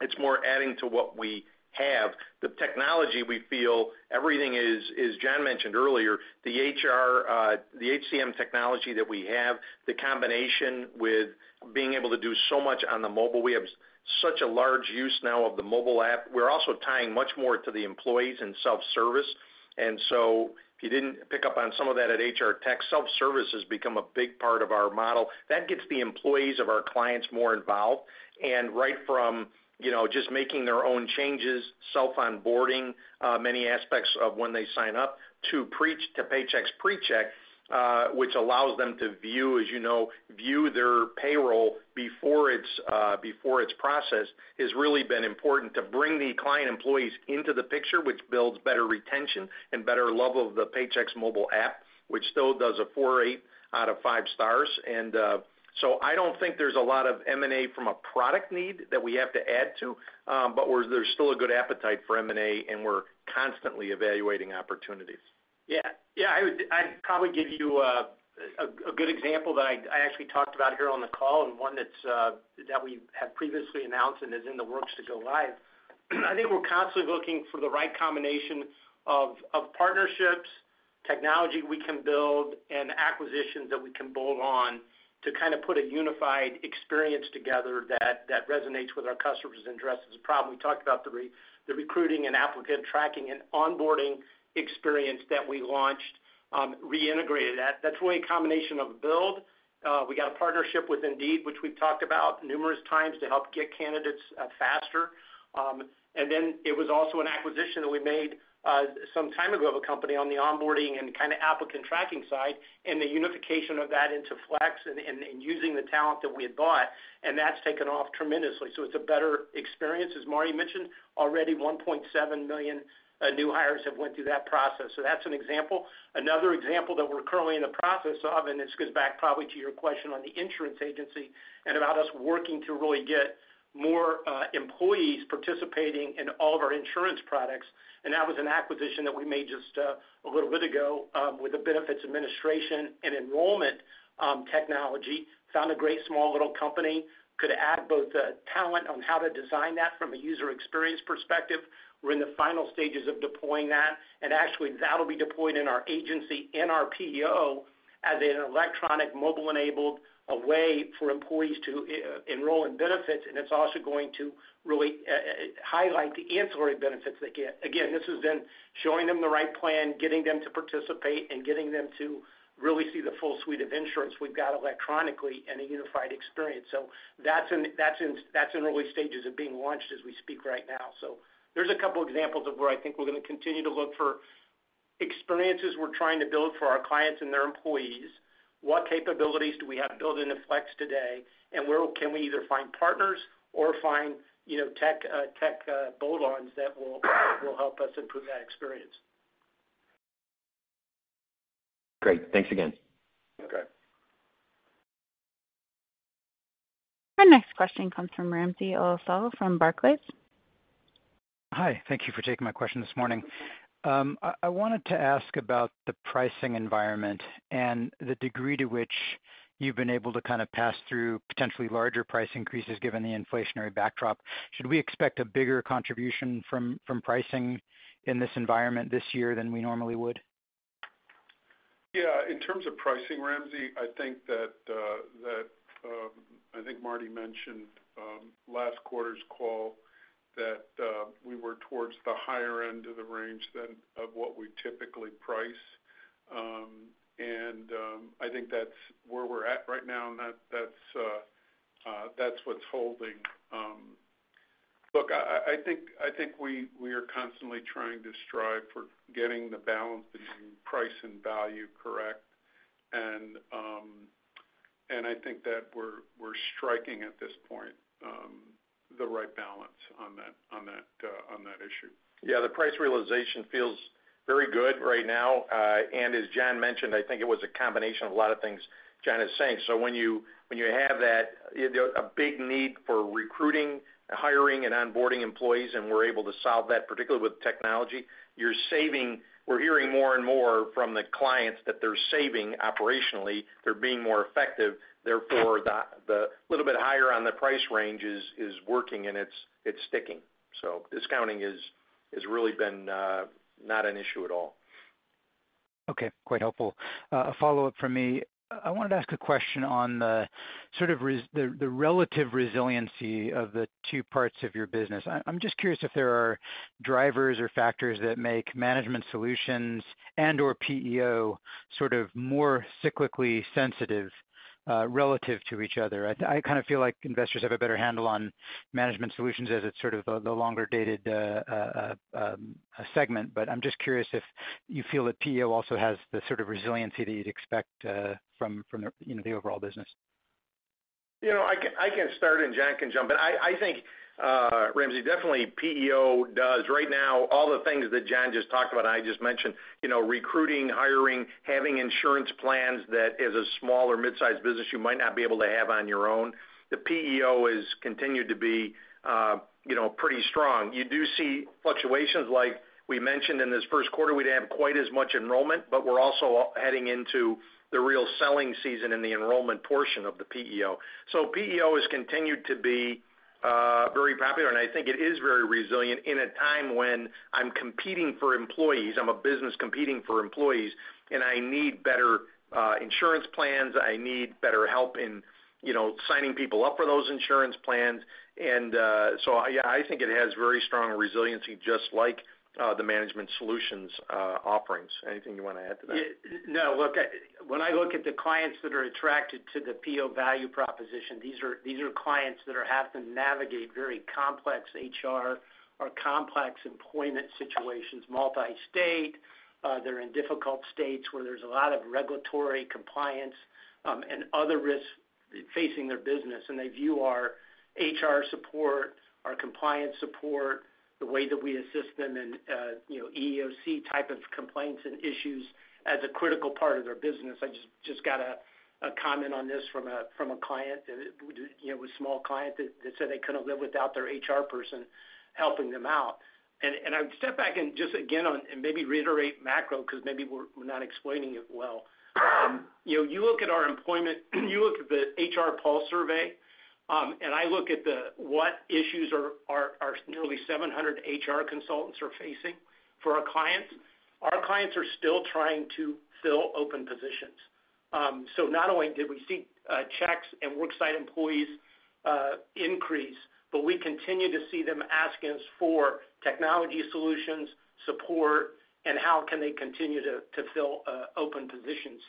It's more adding to what we have. The technology we feel everything is, as John mentioned earlier, the HR, the HCM technology that we have, the combination with being able to do so much on the mobile, we have such a large use now of the mobile app. We're also tying much more to the employees and self-service. If you didn't pick up on some of that at HR Tech, self-service has become a big part of our model. That gets the employees of our clients more involved. Right from, you know, just making their own changes, self-onboarding, many aspects of when they sign up to Paychex Pre-Check, which allows them to view, as you know, their payroll before it's processed, has really been important to bring the client employees into the picture, which builds better retention and better love of the Paychex mobile app, which still does a 4.8 out of five stars. I don't think there's a lot of M&A from a product need that we have to add to, but there's still a good appetite for M&A, and we're constantly evaluating opportunities. Yeah, I'd probably give you a good example that I actually talked about here on the call and one that's we have previously announced and is in the works to go live. I think we're constantly looking for the right combination of partnerships, technology we can build and acquisitions that we can bolt on to kind of put a unified experience together that resonates with our customers and addresses the problem. We talked about the recruiting and applicant tracking and onboarding experience that we launched, reintegrated that. That's really a combination of build. We got a partnership with Indeed, which we've talked about numerous times to help get candidates faster. It was also an acquisition that we made some time ago of a company on the onboarding and kinda applicant tracking side and the unification of that into Flex and using the talent that we had bought, and that's taken off tremendously. It's a better experience. As Marty mentioned, already 1.7 million new hires have went through that process. That's an example. Another example that we're currently in the process of, and this goes back probably to your question on the insurance agency and about us working to really get more employees participating in all of our insurance products. That was an acquisition that we made just a little bit ago with the benefits administration and enrollment technology. Found a great small little company, could add both the talent on how to design that from a user experience perspective. We're in the final stages of deploying that, and actually that'll be deployed in our agency and our PEO as an electronic, mobile-enabled way for employees to e-enroll in benefits. It's also going to really highlight the ancillary benefits they get. Again, this is then showing them the right plan, getting them to participate, and getting them to really see the full suite of insurance we've got electronically in a unified experience. That's in early stages of being launched as we speak right now. There's a couple examples of where I think we're gonna continue to look for experiences we're trying to build for our clients and their employees. What capabilities do we have built into Flex today, and where can we either find partners or find, you know, tech, bolt-ons that will help us improve that experience. Great. Thanks again. Okay. Our next question comes from Ramsey El-Assal from Barclays. Hi. Thank you for taking my question this morning. I wanted to ask about the pricing environment and the degree to which you've been able to kind of pass through potentially larger price increases given the inflationary backdrop. Should we expect a bigger contribution from pricing in this environment this year than we normally would? Yeah. In terms of pricing, Ramsey, I think Marty mentioned last quarter's call that we were towards the higher end of the range of what we typically price. I think that's where we're at right now, and that's what's holding. Look, I think we are constantly trying to strive for getting the balance between price and value correct. I think that we're striking at this point the right balance on that issue. Yeah, the price realization feels very good right now. As John Gibson mentioned, I think it was a combination of a lot of things John Gibson is saying. When you have that, you know, a big need for recruiting, hiring, and onboarding employees, and we're able to solve that, particularly with technology, we're hearing more and more from the clients that they're saving operationally, they're being more effective. Therefore, the little bit higher on the price range is working and it's sticking. Discounting has really been not an issue at all. Okay. Quite helpful. A follow-up from me. I wanted to ask a question on the sort of relative resiliency of the two parts of your business. I'm just curious if there are drivers or factors that make management solutions and/or PEO sort of more cyclically sensitive relative to each other. I kind of feel like investors have a better handle on management solutions as it's sort of the longer-dated segment. But I'm just curious if you feel that PEO also has the sort of resiliency that you'd expect from, you know, the overall business. You know, I can start and John can jump in. I think, Ramsey, definitely PEO does right now all the things that John just talked about, I just mentioned, you know, recruiting, hiring, having insurance plans that as a small or mid-sized business you might not be able to have on your own. The PEO is continued to be, you know, pretty strong. You do see fluctuations like we mentioned in this first quarter, we didn't have quite as much enrollment, but we're also heading into the real selling season in the enrollment portion of the PEO. PEO has continued to be very popular, and I think it is very resilient in a time when I'm competing for employees. I'm a business competing for employees, and I need better insurance plans. I need better help in, you know, signing people up for those insurance plans. I think it has very strong resiliency, just like the management solutions offerings. Anything you wanna add to that? Yeah. No. Look, when I look at the clients that are attracted to the PEO value proposition, these are clients that are having to navigate very complex HR or complex employment situations, multi-state, they're in difficult states where there's a lot of regulatory compliance and other risks facing their business, and they view our HR support, our compliance support, the way that we assist them in you know, EEOC type of complaints and issues as a critical part of their business. I just got a comment on this from a client, you know, a small client that said they couldn't live without their HR person helping them out. I would step back and just again and maybe reiterate macro 'cause maybe we're not explaining it well. You know, you look at our employment, you look at the Pulse of HR survey, and I look at what issues our nearly 700 HR consultants are facing for our clients. Our clients are still trying to fill open positions. Not only did we see checks and worksite employees increase, but we continue to see them asking us for technology solutions, support, and how can they continue to fill open positions.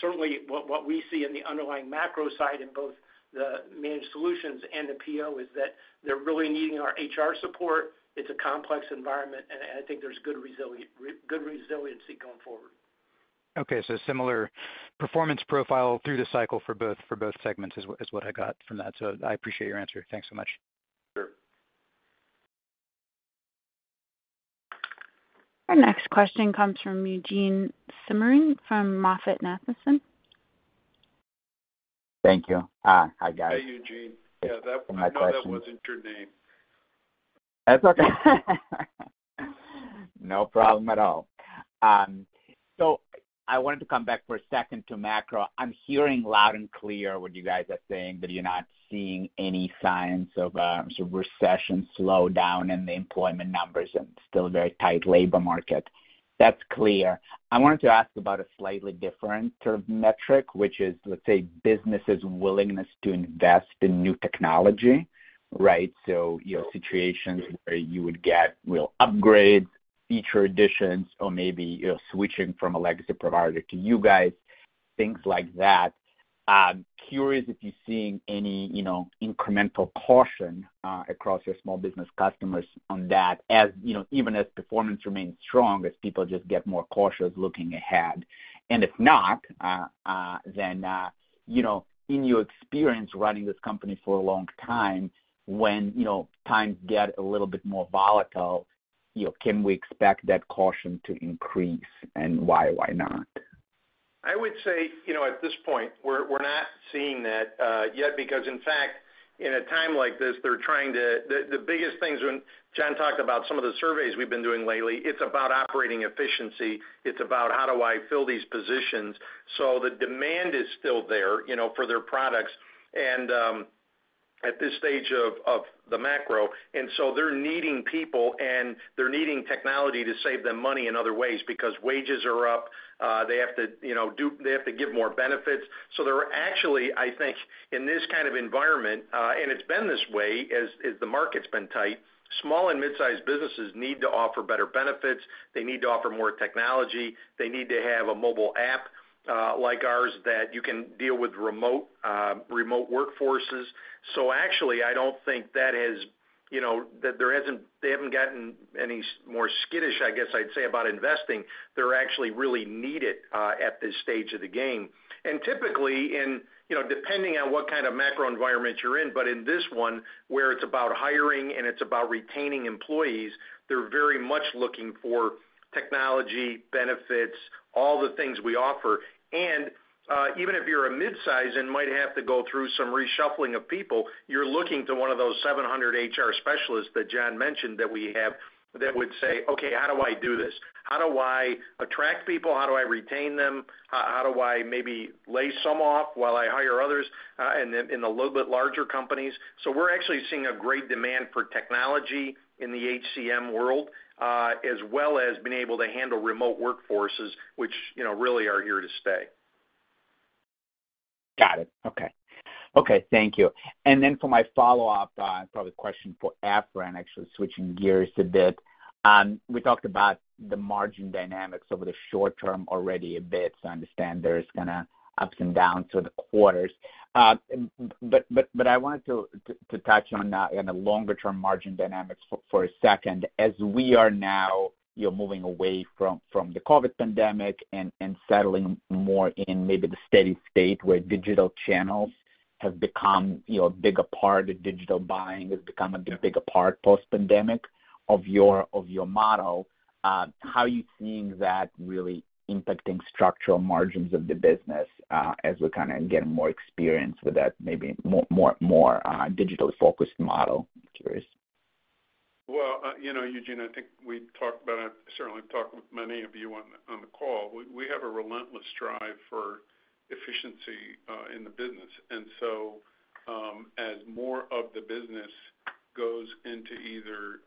Certainly, what we see in the underlying macro side in both the managed solutions and the PEO is that they're really needing our HR support. It's a complex environment, and I think there's good resiliency going forward. Similar performance profile through the cycle for both segments is what I got from that. I appreciate your answer. Thanks so much. Sure. Our next question comes from Eugene Simuni from MoffettNathanson. Thank you. Hi. Hi, guys. Hey, Eugene. Yeah, that. I know that wasn't your name. That's okay. No problem at all. I wanted to come back for a second to macro. I'm hearing loud and clear what you guys are saying, that you're not seeing any signs of a recession slowdown in the employment numbers and still a very tight labor market. That's clear. I wanted to ask about a slightly different sort of metric, which is, let's say, businesses' willingness to invest in new technology, right? You know, situations where you would get real upgrades, feature additions or maybe, you know, switching from a legacy provider to you guys, things like that. Curious if you're seeing any, you know, incremental caution across your small business customers on that as, you know, even as performance remains strong, as people just get more cautious looking ahead. If not, then, you know, in your experience running this company for a long time, when, you know, times get a little bit more volatile, you know, can we expect that caution to increase, and why or why not? I would say, you know, at this point, we're not seeing that yet, because in fact, in a time like this, they're trying to. The biggest things when John talked about some of the surveys we've been doing lately, it's about operating efficiency, it's about how do I fill these positions. The demand is still there, you know, for their products and at this stage of the macro. They're needing people, and they're needing technology to save them money in other ways because wages are up. They have to, you know, they have to give more benefits. They're actually, I think, in this kind of environment, and it's been this way as the market's been tight, small and mid-sized businesses need to offer better benefits. They need to offer more technology. They need to have a mobile app like ours that you can deal with remote workforces. Actually, I don't think, you know, they haven't gotten any more skittish, I guess I'd say, about investing. They're actually really need it at this stage of the game. Typically in, you know, depending on what kind of macro environment you're in, but in this one, where it's about hiring and it's about retaining employees, they're very much looking for technology, benefits, all the things we offer. Even if you're a mid-size and might have to go through some reshuffling of people, you're looking to one of those 700 HR specialists that John mentioned that we have that would say, "Okay, how do I do this? How do I attract people? How do I retain them? How do I maybe lay some off while I hire others?" In the little bit larger companies. We're actually seeing a great demand for technology in the HCM world, as well as being able to handle remote workforces, which, you know, really are here to stay. Got it. Okay. Thank you. For my follow-up, probably question for Efrain, actually switching gears a bit. We talked about the margin dynamics over the short term already a bit, so I understand there's kinda ups and downs for the quarters. I wanted to touch on the longer-term margin dynamics for a second. As we are now, you're moving away from the COVID pandemic and settling more in maybe the steady state where digital channels have become, you know, a bigger part of digital buying, has become a bigger part post-pandemic of your model, how are you seeing that really impacting structural margins of the business, as we're kinda getting more experience with that maybe more digital-focused model? I'm curious. Well, you know, Eugene, I think we talked about it, certainly talked with many of you on the call. We have a relentless drive for efficiency in the business. As more of the business goes into either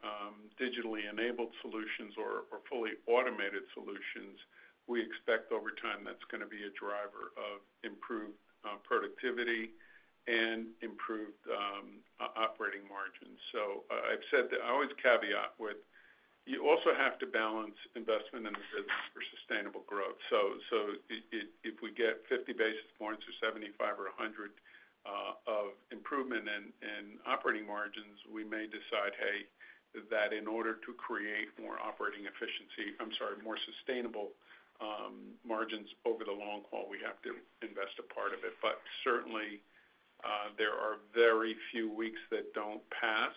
digitally enabled solutions or fully automated solutions, we expect over time that's gonna be a driver of improved productivity and improved operating margins. I've said that I always caveat with you also have to balance investment in the business for sustainable growth. If we get 50 basis points or 75 or 100 of improvement in operating margins, we may decide, hey, that in order to create more operating efficiency. I'm sorry, more sustainable margins over the long haul, we have to invest a part of it. Certainly, there are very few weeks that don't pass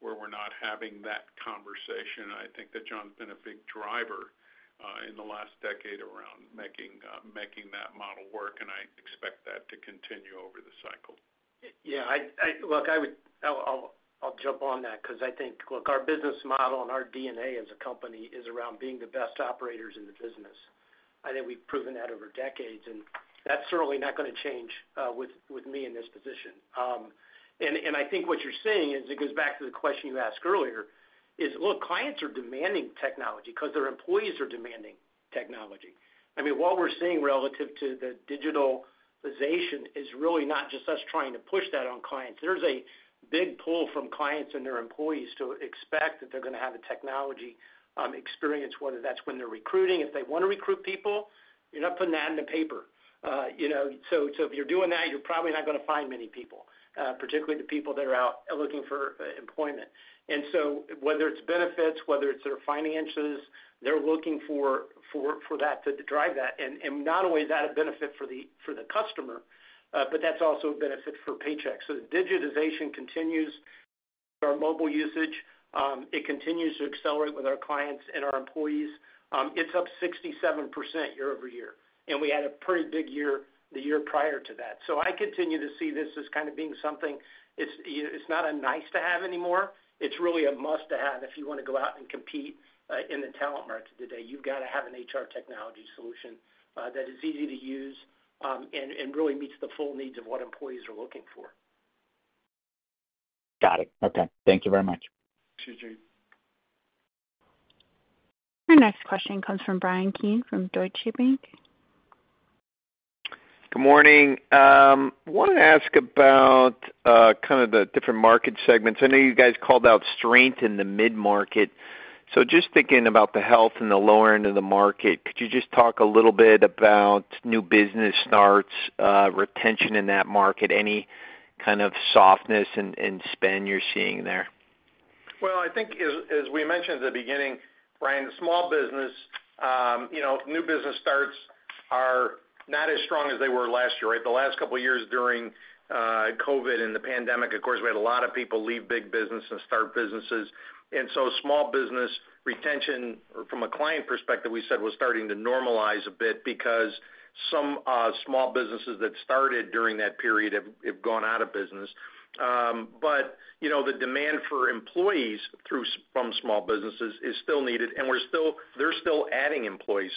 where we're not having that conversation. I think that John's been a big driver, in the last decade around making that model work, and I expect that to continue over the cycle. Yeah, look, I'll jump on that because I think, look, our business model and our DNA as a company is around being the best operators in the business. I think we've proven that over decades, and that's certainly not gonna change with me in this position. And I think what you're saying is, it goes back to the question you asked earlier. Look, clients are demanding technology 'cause their employees are demanding technology. I mean, what we're seeing relative to the digitalization is really not just us trying to push that on clients. There's a big pull from clients and their employees to expect that they're gonna have a technology experience, whether that's when they're recruiting. If they wanna recruit people, you're not putting that in the paper, you know? If you're doing that, you're probably not gonna find many people, particularly the people that are out looking for employment. Whether it's benefits, whether it's their finances, they're looking for that to drive that. Not only is that a benefit for the customer, but that's also a benefit for Paychex. The digitization continues. Our mobile usage continues to accelerate with our clients and our employees. It's up 67% year-over-year, and we had a pretty big year the year prior to that. I continue to see this as kind of being something. It's not a nice to have anymore, it's really a must to have. If you wanna go out and compete in the talent market today, you've gotta have an HR technology solution that is easy to use, and really meets the full needs of what employees are looking for. Got it. Okay. Thank you very much. Thanks, Eugene. Our next question comes from Bryan Keane from Deutsche Bank. Good morning. Wanted to ask about kind of the different market segments. I know you guys called out strength in the mid-market. Just thinking about the health in the lower end of the market, could you just talk a little bit about new business starts, retention in that market, any kind of softness in spend you're seeing there? Well, I think as we mentioned at the beginning, Bryan, small business, you know, new business starts are not as strong as they were last year, right? The last couple of years during COVID and the pandemic, of course, we had a lot of people leave big business and start businesses. Small business retention from a client perspective, we said was starting to normalize a bit because some small businesses that started during that period have gone out of business. You know, the demand for employees from small businesses is still needed, and they're still adding employees.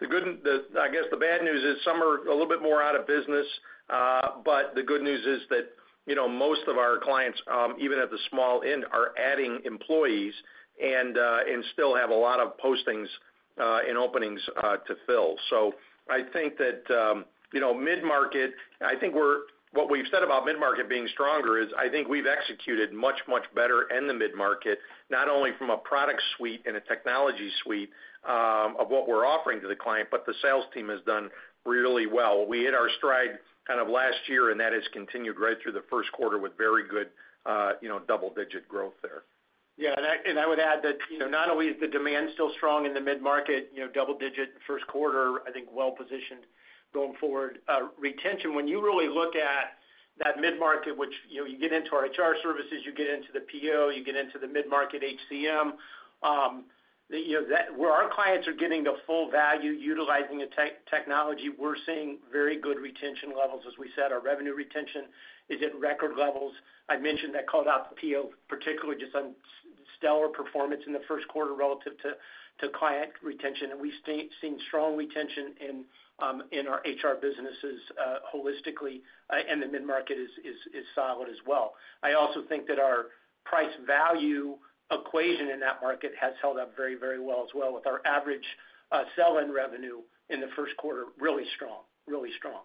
The bad news is some are a little bit more out of business, but the good news is that, you know, most of our clients, even at the small end, are adding employees and still have a lot of postings and openings to fill. I think that, you know, mid-market, I think we're... What we've said about mid-market being stronger is I think we've executed much, much better in the mid-market, not only from a product suite and a technology suite of what we're offering to the client, but the sales team has done really well. We hit our stride kind of last year, and that has continued right through the first quarter with very good, you know, double-digit growth there. Yeah. I would add that, you know, not only is the demand still strong in the mid-market, you know, double digit first quarter, I think well positioned going forward. Retention, when you really look at that mid-market, which, you know, you get into our HR services, you get into the PEO, you get into the mid-market HCM, you know, that where our clients are getting the full value utilizing the technology, we're seeing very good retention levels. As we said, our revenue retention is at record levels. I mentioned that called out the PEO, particularly just on stellar performance in the first quarter relative to client retention. We've seen strong retention in our HR businesses, holistically, and the mid-market is solid as well. I also think that our price value equation in that market has held up very, very well as well with our average sell and revenue in the first quarter really strong, really strong.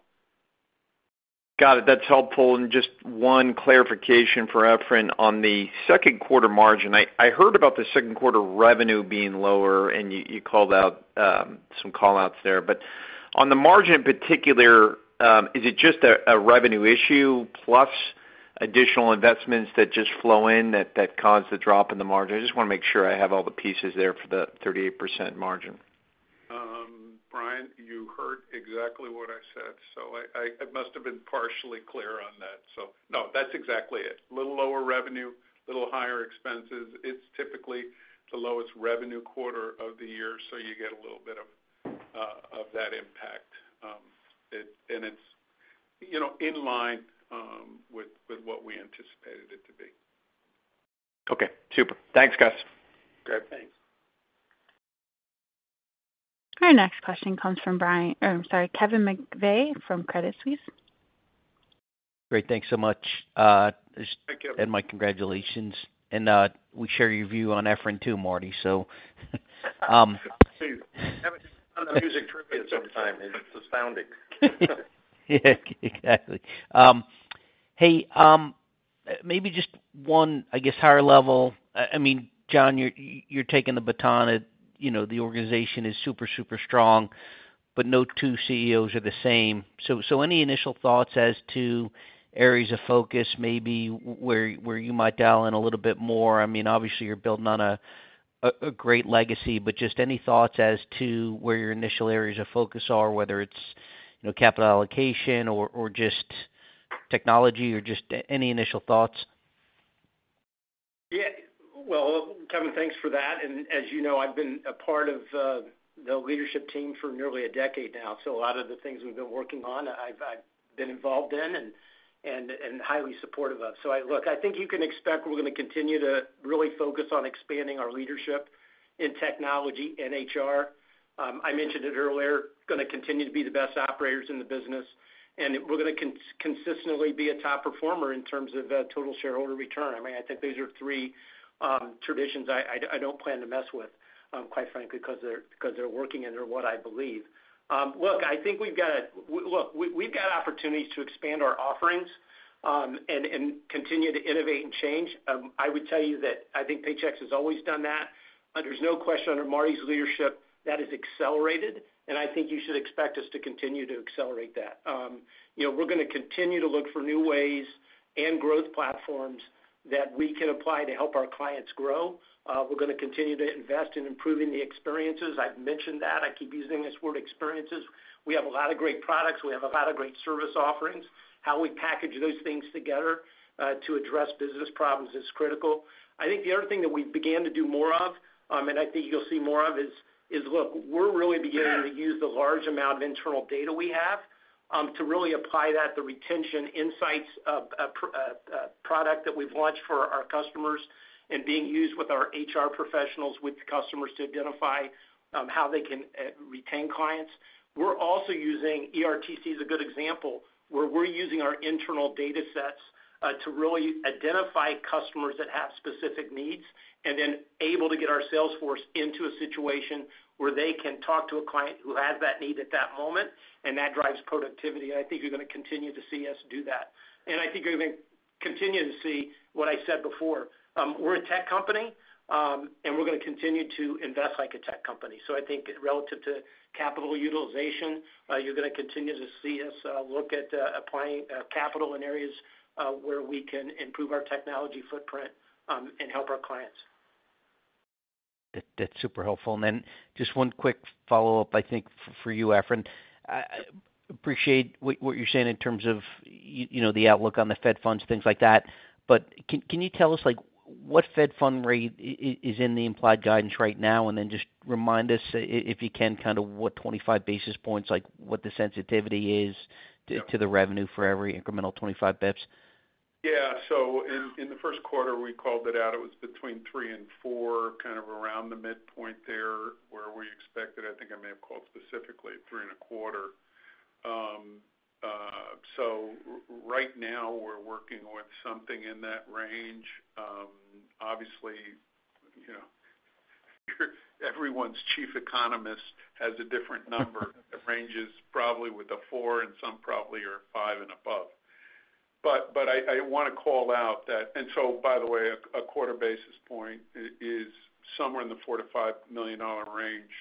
Got it. That's helpful. Just one clarification for Efrain. On the second quarter margin, I heard about the second quarter revenue being lower, and you called out some call-outs there. But on the margin in particular, is it just a revenue issue plus additional investments that just flow in that caused the drop in the margin? I just wanna make sure I have all the pieces there for the 38% margin. Brian, you heard exactly what I said, so I must have been partially clear on that. No, that's exactly it. Little lower revenue, little higher expenses. It's typically the lowest revenue quarter of the year, so you get a little bit of that impact. It's, you know, in line with what we anticipated it to be. Okay, super. Thanks, guys. Great. Thanks. Our next question comes from Kevin McVeigh from Credit Suisse. Great. Thanks so much. Thank you. My congratulations. We share your view on Efrain too, Marty, so Have a music trivia sometime. It's astounding. Yeah, exactly. Hey, maybe just one, I guess, higher level. I mean, John, you're taking the baton and, you know, the organization is super strong, but no two CEOs are the same. So any initial thoughts as to areas of focus, maybe where you might dial in a little bit more? I mean, obviously you're building on a great legacy, but just any thoughts as to where your initial areas of focus are, whether it's, you know, capital allocation or just technology or just any initial thoughts? Yeah. Well, Kevin, thanks for that. As you know, I've been a part of the leadership team for nearly a decade now, so a lot of the things we've been working on I've been involved in and highly supportive of. Look, I think you can expect we're gonna continue to really focus on expanding our leadership in technology and HR. I mentioned it earlier, gonna continue to be the best operators in the business, and we're gonna consistently be a top performer in terms of total shareholder return. I mean, I think those are three traditions I don't plan to mess with, quite frankly, 'cause they're working and they're what I believe. Look, I think we've got opportunities to expand our offerings and continue to innovate and change. I would tell you that I think Paychex has always done that. There's no question under Marty's leadership that has accelerated, and I think you should expect us to continue to accelerate that. You know, we're gonna continue to look for new ways and growth platforms that we can apply to help our clients grow. We're gonna continue to invest in improving the experiences. I've mentioned that. I keep using this word, experiences. We have a lot of great products. We have a lot of great service offerings. How we package those things together to address business problems is critical. I think the other thing that we began to do more of, and I think you'll see more of, is look. We're really beginning to use the large amount of internal data we have to really apply that, the retention insights of product that we've launched for our customers and being used with our HR professionals, with the customers to identify how they can retain clients. We're also using ERTC as a good example, where we're using our internal data sets to really identify customers that have specific needs, and then able to get our sales force into a situation where they can talk to a client who has that need at that moment, and that drives productivity. I think you're gonna continue to see us do that. I think you're gonna continue to see what I said before. We're a tech company, and we're gonna continue to invest like a tech company. I think relative to capital utilization, you're gonna continue to see us look at applying capital in areas where we can improve our technology footprint, and help our clients. That's super helpful. Then just one quick follow-up, I think for you, Efrain. I appreciate what you're saying in terms of you know, the outlook on the Fed funds, things like that, but can you tell us, like, what Fed fund rate is in the implied guidance right now? Then just remind us if you can, kinda what 25 basis points, like, what the sensitivity is to the revenue for every incremental 25 bps. Yeah. In the first quarter, we called it out, it was between three and four, kind of around the midpoint there where we expected. I think I may have called specifically 3.25. Right now we're working with something in that range. Obviously, you know, everyone's chief economist has a different number. It ranges probably with a four, and some probably are 5 and above. But I wanna call out that. By the way, a quarter basis point is somewhere in the $4 million-$5 million range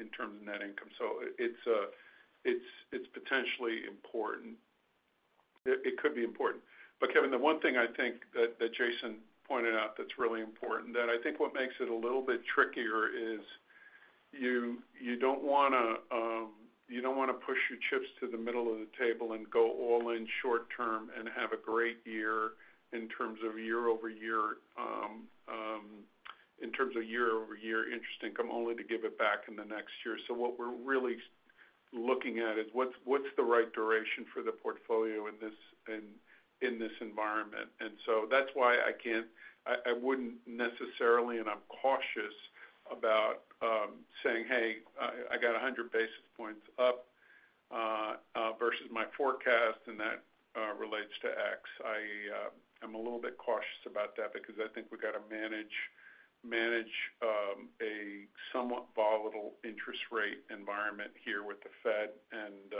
in terms of net income. It's potentially important. It could be important. Kevin, the one thing I think that Jason pointed out that's really important, that I think what makes it a little bit trickier is you don't wanna push your chips to the middle of the table and go all in short term and have a great year in terms of year-over-year interest income, only to give it back in the next year. What we're really looking at is what's the right duration for the portfolio in this environment. That's why I wouldn't necessarily, and I'm cautious about saying, "Hey, I got 100 basis points up versus my forecast, and that relates to X. I am a little bit cautious about that because I think we've got to manage a somewhat volatile interest rate environment here with the Fed and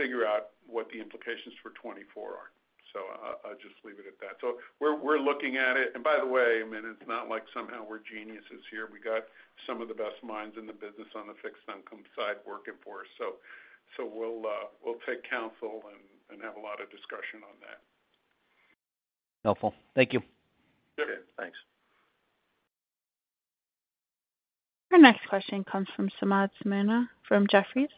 figure out what the implications for 2024 are. I'll just leave it at that. We're looking at it. By the way, I mean, it's not like somehow we're geniuses here. We got some of the best minds in the business on the fixed income side working for us. So we'll take counsel and have a lot of discussion on that. Helpful. Thank you. Okay, thanks. Our next question comes from Samad Samana from Jefferies.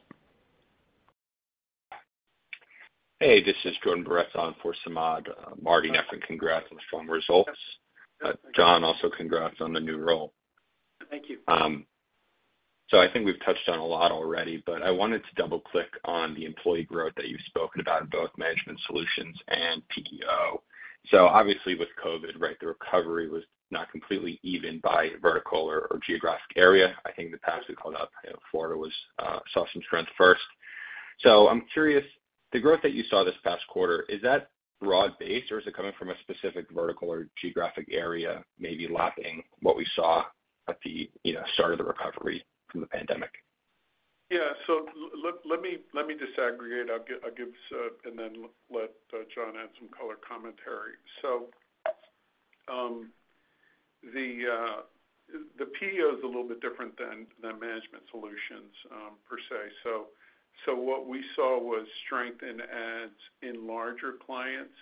Hey, this is Jordan Boretz in for Samad. Marty, Efrain, congrats on the strong results. John, also congrats on the new role. Thank you. I think we've touched on a lot already, but I wanted to double click on the employee growth that you've spoken about in both Management Solutions and PEO. Obviously with COVID, right, the recovery was not completely even by vertical or geographic area. I think in the past we called out Florida saw some trends first. I'm curious, the growth that you saw this past quarter, is that broad-based, or is it coming from a specific vertical or geographic area, maybe like what we saw at the, you know, start of the recovery from the pandemic? Yeah. Let me disaggregate. I'll give, and then let John add some color commentary. The PEO is a little bit different than the Management Solutions, per se. What we saw was strength in adds in larger clients,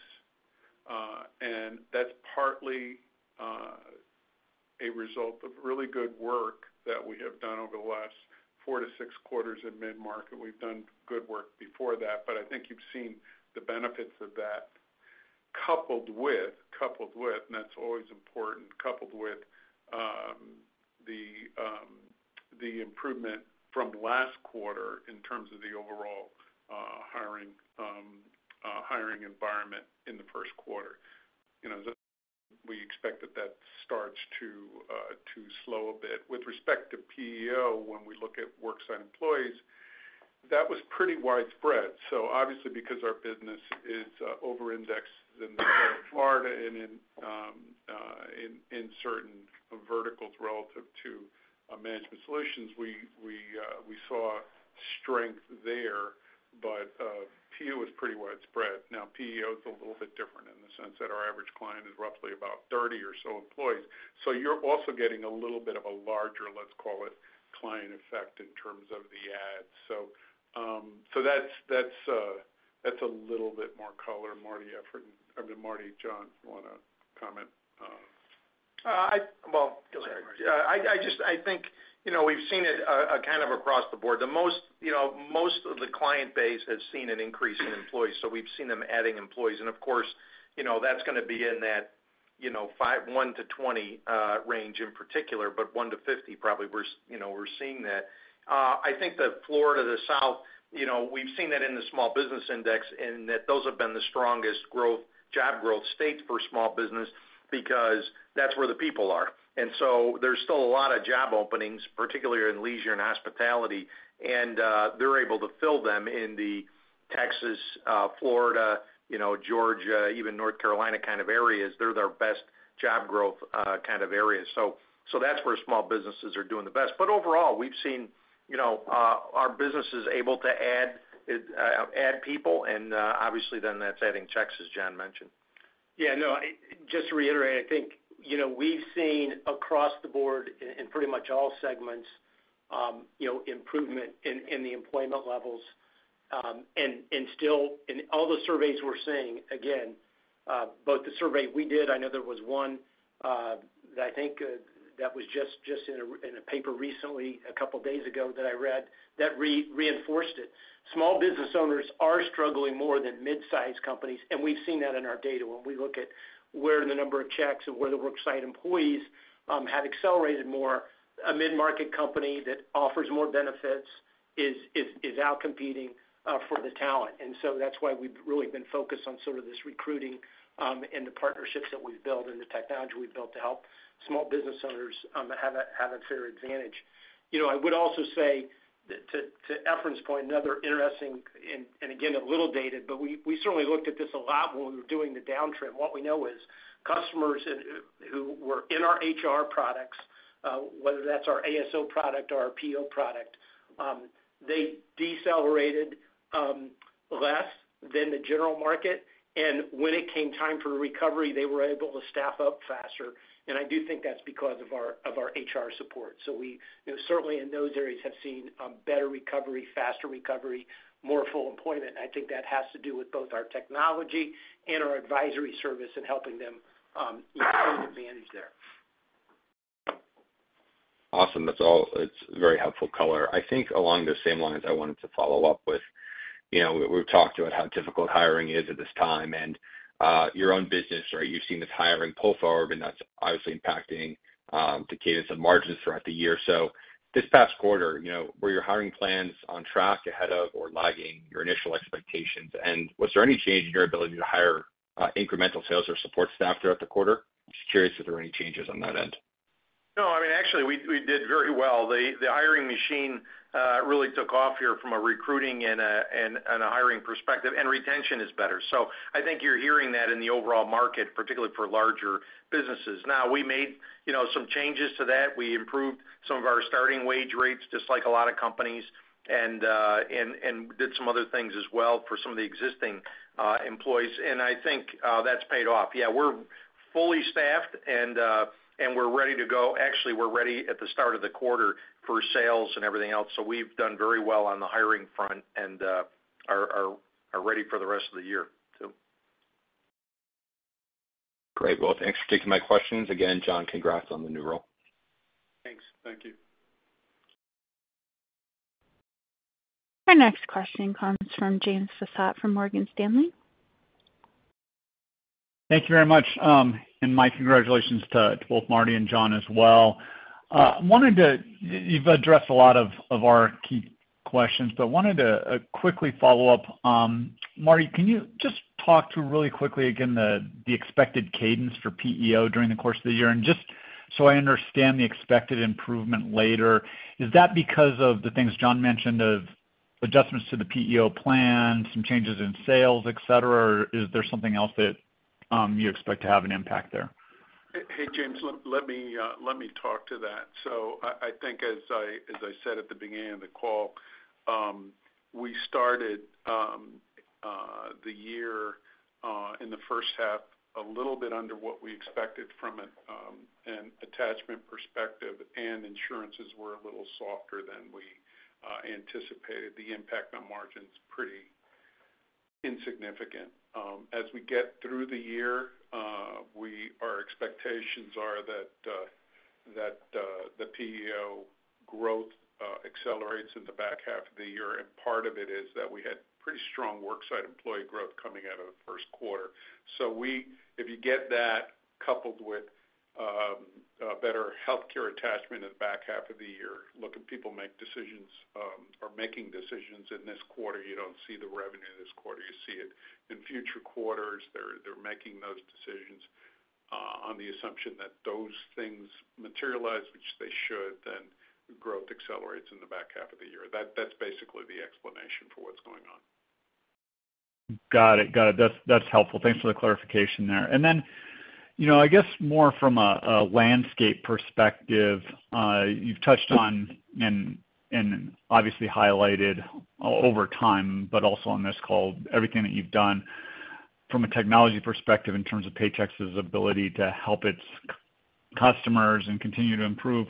and that's partly a result of really good work that we have done over the last four-six quarters in mid-market. We've done good work before that, but I think you've seen the benefits of that coupled with, and that's always important, coupled with the improvement from last quarter in terms of the overall hiring environment in the first quarter. You know, we expect that starts to slow a bit. With respect to PEO, when we look at worksite employees, that was pretty widespread. Obviously, because our business is over-indexed in the state of Florida and in certain verticals relative to Management Solutions, we saw strength there, but PEO is pretty widespread. Now, PEO is a little bit different in the sense that our average client is roughly about 30 or so employees. You're also getting a little bit of a larger, let's call it, client effect in terms of the adds. That's a little bit more color. Marty, Efrain, I mean, Marty, John, if you want to comment. Well, go ahead. Sorry, Marty. I just think, you know, we've seen it kind of across the board. Most of the client base has seen an increase in employees, so we've seen them adding employees. Of course, you know, that's going to be in that one to twenty range in particular, but one to fifty probably we're seeing that. I think that Florida, the South, you know, we've seen that in the small business index and that those have been the strongest job growth states for small business because that's where the people are. There's still a lot of job openings, particularly in leisure and hospitality, and they're able to fill them in the Texas, Florida, you know, Georgia, even North Carolina kind of areas. They're in their best job growth kind of areas. That's where small businesses are doing the best. Overall, we've seen, you know, our businesses able to add people, and obviously then that's adding checks, as John mentioned. Yeah, no, just to reiterate, I think, you know, we've seen across the board in pretty much all segments, you know, improvement in the employment levels, and still in all the surveys we're seeing, again, both the survey we did, I know there was one, that I think that was just in a paper recently, a couple of days ago that I read that reinforced it. Small business owners are struggling more than mid-sized companies, and we've seen that in our data. When we look at where the number of checks and where the worksite employees have accelerated more, a mid-market company that offers more benefits is outcompeting for the talent. That's why we've really been focused on sort of this recruiting, and the partnerships that we've built and the technology we've built to help small business owners have a fair advantage. You know, I would also say that to Efrain's point, another interesting and again, a little dated, but we certainly looked at this a lot when we were doing the downtrend. What we know is customers who were in our HR products, whether that's our ASO product or our PEO product, they decelerated less than the general market. When it came time for a recovery, they were able to staff up faster. I do think that's because of our HR support. We, you know, certainly in those areas have seen better recovery, faster recovery, more full employment. I think that has to do with both our technology and our advisory service in helping them, you know, gain advantage there. Awesome. That's very helpful color. I think along those same lines, I wanted to follow up with, you know, we've talked about how difficult hiring is at this time and, your own business, right? You've seen this hiring pull forward, and that's obviously impacting, the cadence and margins throughout the year. This past quarter, you know, were your hiring plans on track, ahead of or lagging your initial expectations? And was there any change in your ability to hire, incremental sales or support staff throughout the quarter? Just curious if there were any changes on that end. No, I mean, actually, we did very well. The hiring machine really took off here from a recruiting and a hiring perspective, and retention is better. I think you're hearing that in the overall market, particularly for larger businesses. Now, we made, you know, some changes to that. We improved some of our starting wage rates, just like a lot of companies, and did some other things as well for some of the existing employees. I think that's paid off. Yeah, we're fully staffed, and we're ready to go. Actually, we're ready at the start of the quarter for sales and everything else. We've done very well on the hiring front and are ready for the rest of the year too. Great. Well, thanks for taking my questions. Again, John, congrats on the new role. Thanks. Thank you. Our next question comes from James Faucette from Morgan Stanley. Thank you very much. My congratulations to both Marty and John as well. You've addressed a lot of our key questions, but wanted to quickly follow up. Marty, can you just talk to really quickly again the expected cadence for PEO during the course of the year? Just so I understand the expected improvement later, is that because of the things John mentioned of adjustments to the PEO plan, some changes in sales, et cetera, or is there something else that you expect to have an impact there? Hey, James, let me talk to that. I think as I said at the beginning of the call, we started the year in the first half a little bit under what we expected from an attachment perspective, and insurances were a little softer than we anticipated. The impact on margin's pretty insignificant. As we get through the year, our expectations are that the PEO growth accelerates in the back half of the year, and part of it is that we had pretty strong work site employee growth coming out of the first quarter. If you get that coupled with better healthcare attachment at the back half of the year, look at people make decisions or making decisions in this quarter, you don't see the revenue this quarter, you see it in future quarters. They're making those decisions on the assumption that those things materialize, which they should, then growth accelerates in the back half of the year. That's basically the explanation for what's going on. Got it. That's helpful. Thanks for the clarification there. Then, you know, I guess more from a landscape perspective, you've touched on and obviously highlighted over time, but also on this call, everything that you've done from a technology perspective in terms of Paychex's ability to help its customers and continue to improve.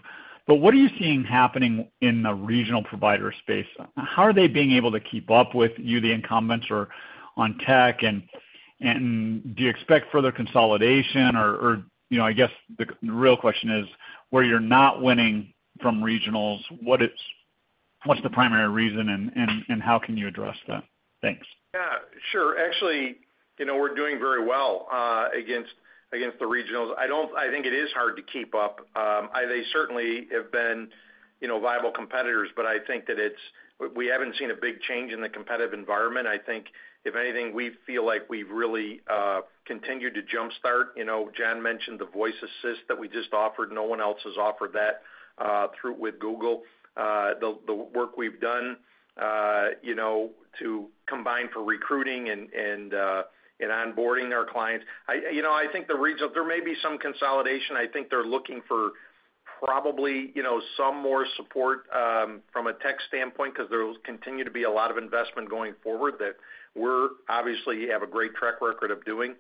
What are you seeing happening in the regional provider space? How are they being able to keep up with you, the incumbents, or on tech? Do you expect further consolidation or, you know, I guess the real question is, where you're not winning from regionals, what's the primary reason and how can you address that? Thanks. Yeah, sure. Actually, you know, we're doing very well against the regionals. I think it is hard to keep up. They certainly have been, you know, viable competitors, but I think that it's. We haven't seen a big change in the competitive environment. I think if anything, we feel like we've really continued to jumpstart. You know, John mentioned the voice assist that we just offered. No one else has offered that through with Google. The work we've done, you know, to combine for recruiting and onboarding our clients. You know, I think there may be some consolidation. I think they're looking for probably, you know, some more support, from a tech standpoint, 'cause there'll continue to be a lot of investment going forward that we're obviously have a great track record of doing.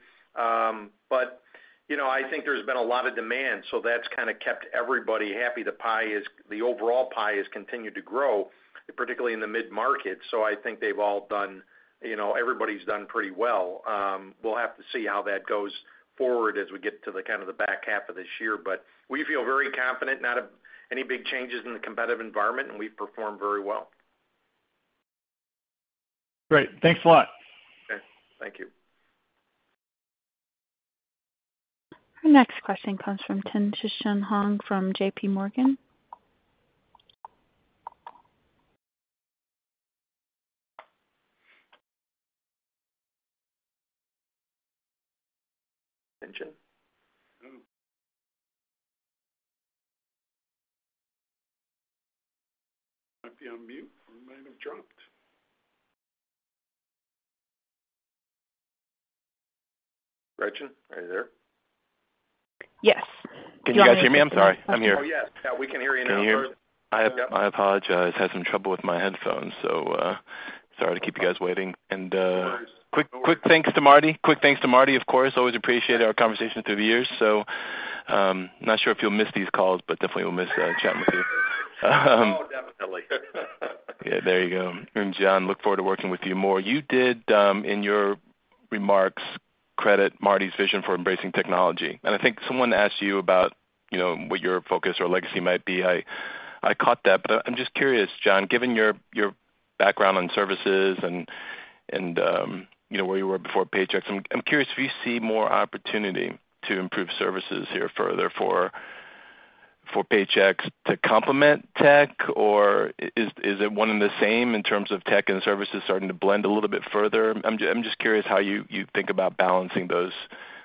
You know, I think there's been a lot of demand, so that's kinda kept everybody happy. The overall pie has continued to grow, particularly in the mid-market. I think they've all done, you know, everybody's done pretty well. We'll have to see how that goes forward as we get to the kind of the back half of this year. We feel very confident, not any big changes in the competitive environment, and we've performed very well. Great. Thanks a lot. Okay. Thank you. Our next question comes from Tien-Tsin Huang from JPMorgan. Tien-Tsin? Oh. Might be on mute or might have dropped. Gretchen, are you there? Yes. John- Can you guys hear me? I'm sorry. I'm here. Oh, yes. Yeah, we can hear you now. Can you hear me? I apologize. Had some trouble with my headphones. Sorry to keep you guys waiting. Quick thanks to Marty, of course. Always appreciate our conversation through the years. Not sure if you'll miss these calls, but definitely will miss chatting with you. Oh, definitely. Yeah, there you go. John, look forward to working with you more. You did in your remarks credit Marty's vision for embracing technology. I think someone asked you about, you know, what your focus or legacy might be. I caught that. I'm just curious, John, given your background on services and you know, where you were before Paychex. I'm curious if you see more opportunity to improve services here further for Paychex to complement tech or is it one and the same in terms of tech and services starting to blend a little bit further? I'm just curious how you think about balancing those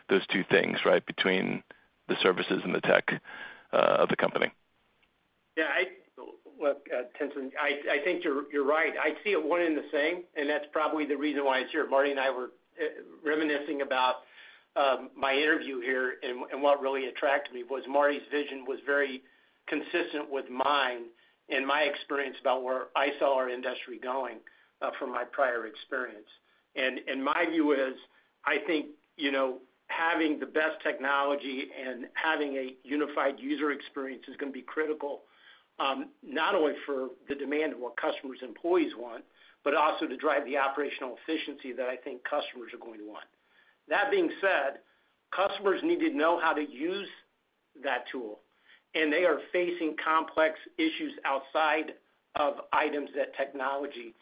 two things, right? Between the services and the tech of the company. Yeah, look, Tien-Tsin Huang, I think you're right. I see it one and the same, and that's probably the reason why it's here. Marty and I were reminiscing about my interview here, and what really attracted me was Marty's vision was very consistent with mine and my experience about where I saw our industry going from my prior experience. My view is, I think, you know, having the best technology and having a unified user experience is gonna be critical, not only for the demand of what customers' employees want, but also to drive the operational efficiency that I think customers are going to want. That being said, customers need to know how to use that tool, and they are facing complex issues outside of items that technology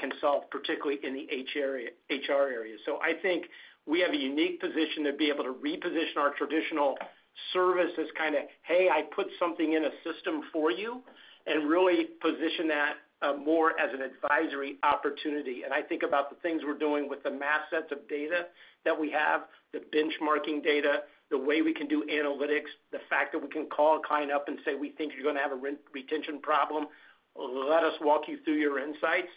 can solve, particularly in the HR area. I think we have a unique position to be able to reposition our traditional services, kinda, hey, I put something in a system for you, and really position that more as an advisory opportunity. I think about the things we're doing with the massive sets of data that we have, the benchmarking data, the way we can do analytics, the fact that we can call a client up and say, "We think you're gonna have a retention problem. Let us walk you through your insights."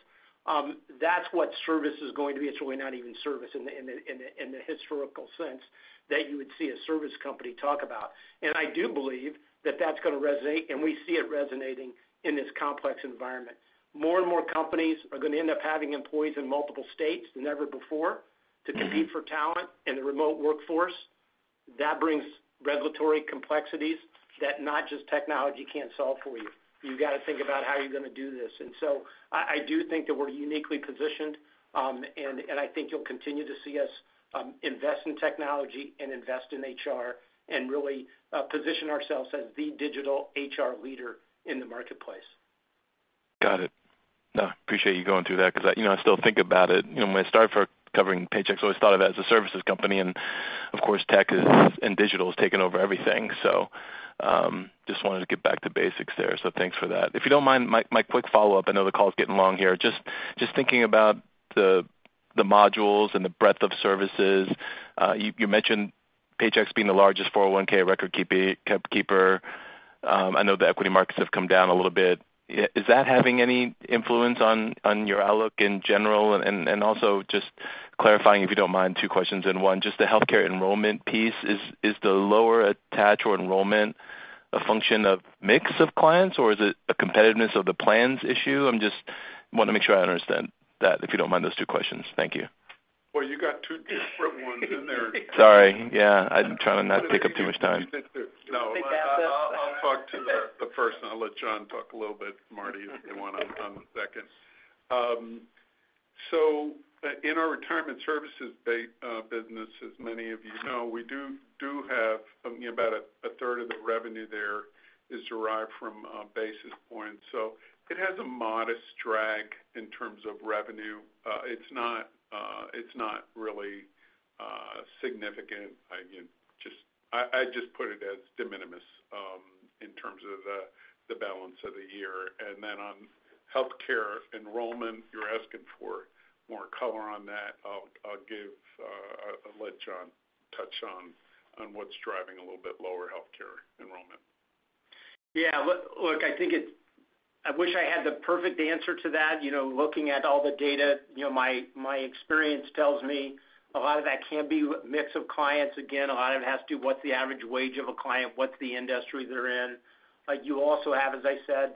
That's what service is going to be. It's really not even service in the historical sense that you would see a service company talk about. I do believe that that's gonna resonate, and we see it resonating in this complex environment. More and more companies are gonna end up having employees in multiple states than ever before to compete for talent in the remote workforce. That brings regulatory complexities that not just technology can't solve for you. You gotta think about how you're gonna do this. I do think that we're uniquely positioned, and I think you'll continue to see us invest in technology and invest in HR and really position ourselves as the digital HR leader in the marketplace. Got it. No, appreciate you going through that because, you know, I still think about it. You know, when I started covering Paychex, I always thought of it as a services company, and of course, tech is, and digital has taken over everything. Just wanted to get back to basics there. Thanks for that. If you don't mind, my quick follow-up. I know the call's getting long here. Just thinking about the modules and the breadth of services. You mentioned Paychex being the largest 401(k) record keeper. I know the equity markets have come down a little bit. Is that having any influence on your outlook in general? And also just clarifying, if you don't mind, two questions in one. Just the healthcare enrollment piece. Is the lower attach or enrollment a function of mix of clients, or is it a competitiveness of the plans issue? I just want to make sure I understand that, if you don't mind those two questions. Thank you. Well, you got two different ones in there. Sorry. Yeah, I'm trying to not take up too much time. No, I'll talk to the first, and I'll let John talk a little bit, Marty, if you want to on the second. In our retirement services business, as many of you know, we do have something about a third of the revenue there is derived from basis points. It has a modest drag in terms of revenue. It's not really significant. You know, I just put it as de minimis in terms of the balance of the year. On healthcare enrollment, you're asking for more color on that. I'll let John touch on what's driving a little bit lower healthcare enrollment. Yeah, look, I think it's. I wish I had the perfect answer to that. You know, looking at all the data, you know, my experience tells me a lot of that can be a mix of clients. Again, a lot of it has to do with what's the average wage of a client, what's the industry they're in. You also have, as I said,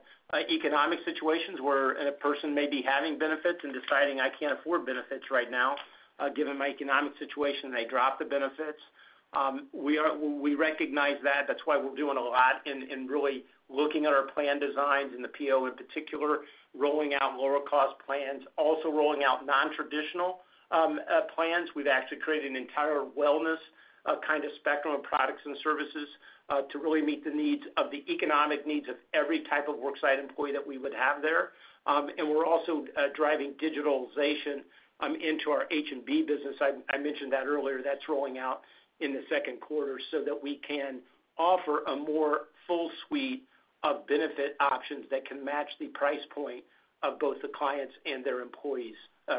economic situations where a person may be having benefits and deciding, I can't afford benefits right now, given my economic situation, they drop the benefits. We recognize that. That's why we're doing a lot in really looking at our plan designs in the PEO in particular, rolling out lower cost plans, also rolling out non-traditional plans. We've actually created an entire wellness kind of spectrum of products and services to really meet the needs of the economic needs of every type of worksite employee that we would have there. We're also driving digitalization into our H&B business. I mentioned that earlier. That's rolling out in the second quarter so that we can offer a more full suite of benefit options that can match the price point of both the clients and their employees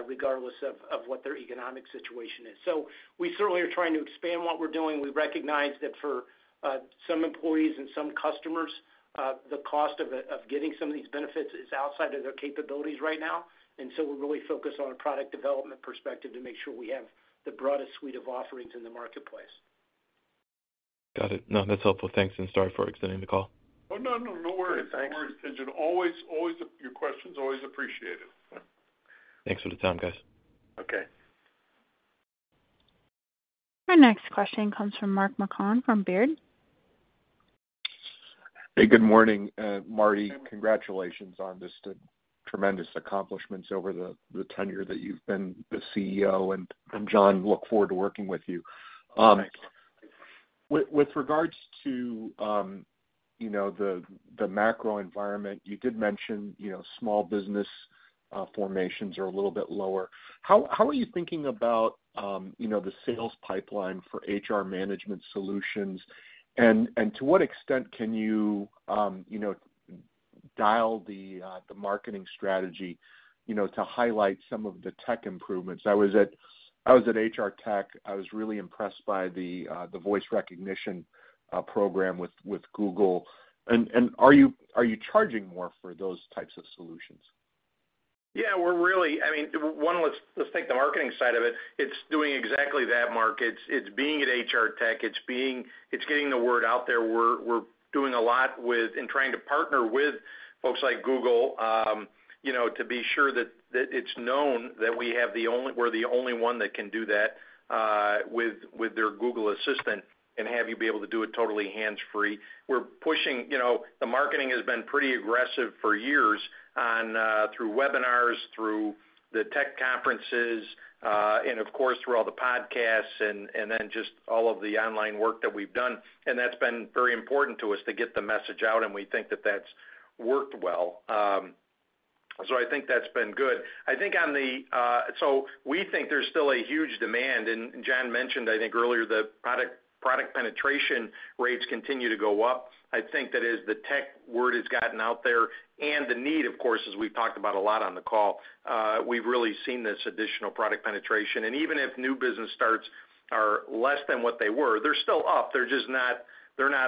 regardless of what their economic situation is. We certainly are trying to expand what we're doing. We recognize that for some employees and some customers the cost of getting some of these benefits is outside of their capabilities right now. We're really focused on a product development perspective to make sure we have the broadest suite of offerings in the marketplace. Got it. No, that's helpful. Thanks, and sorry for extending the call. Oh, no, no worries. Thanks. No worries. Always, your question's always appreciated. Thanks for the time, guys. Okay. Our next question comes from Mark Marcon from Baird. Hey, good morning, Marty. Congratulations on just the tremendous accomplishments over the tenure that you've been the CEO, and John, look forward to working with you. Thanks. With regards to, you know, the macro environment, you did mention, you know, small business formations are a little bit lower. How are you thinking about, you know, the sales pipeline for HR management solutions? To what extent can you know- Dial in the marketing strategy, you know, to highlight some of the tech improvements. I was at HR Tech. I was really impressed by the voice recognition program with Google. Are you charging more for those types of solutions? Yeah, we're really I mean, one, let's take the marketing side of it. It's doing exactly that, Mark. It's being at HR Tech. It's getting the word out there. We're doing a lot, and trying to partner with folks like Google, you know, to be sure that it's known that we have we're the only one that can do that with their Google Assistant and have you be able to do it totally hands-free. We're pushing, you know, the marketing has been pretty aggressive for years on through webinars, through the tech conferences, and of course, through all the podcasts and then just all of the online work that we've done, and that's been very important to us to get the message out, and we think that that's worked well. I think that's been good. We think there's still a huge demand, and John mentioned, I think earlier, the product penetration rates continue to go up. I think that as the tech word has gotten out there and the need, of course, as we've talked about a lot on the call, we've really seen this additional product penetration. Even if new business starts are less than what they were, they're still up. They're just not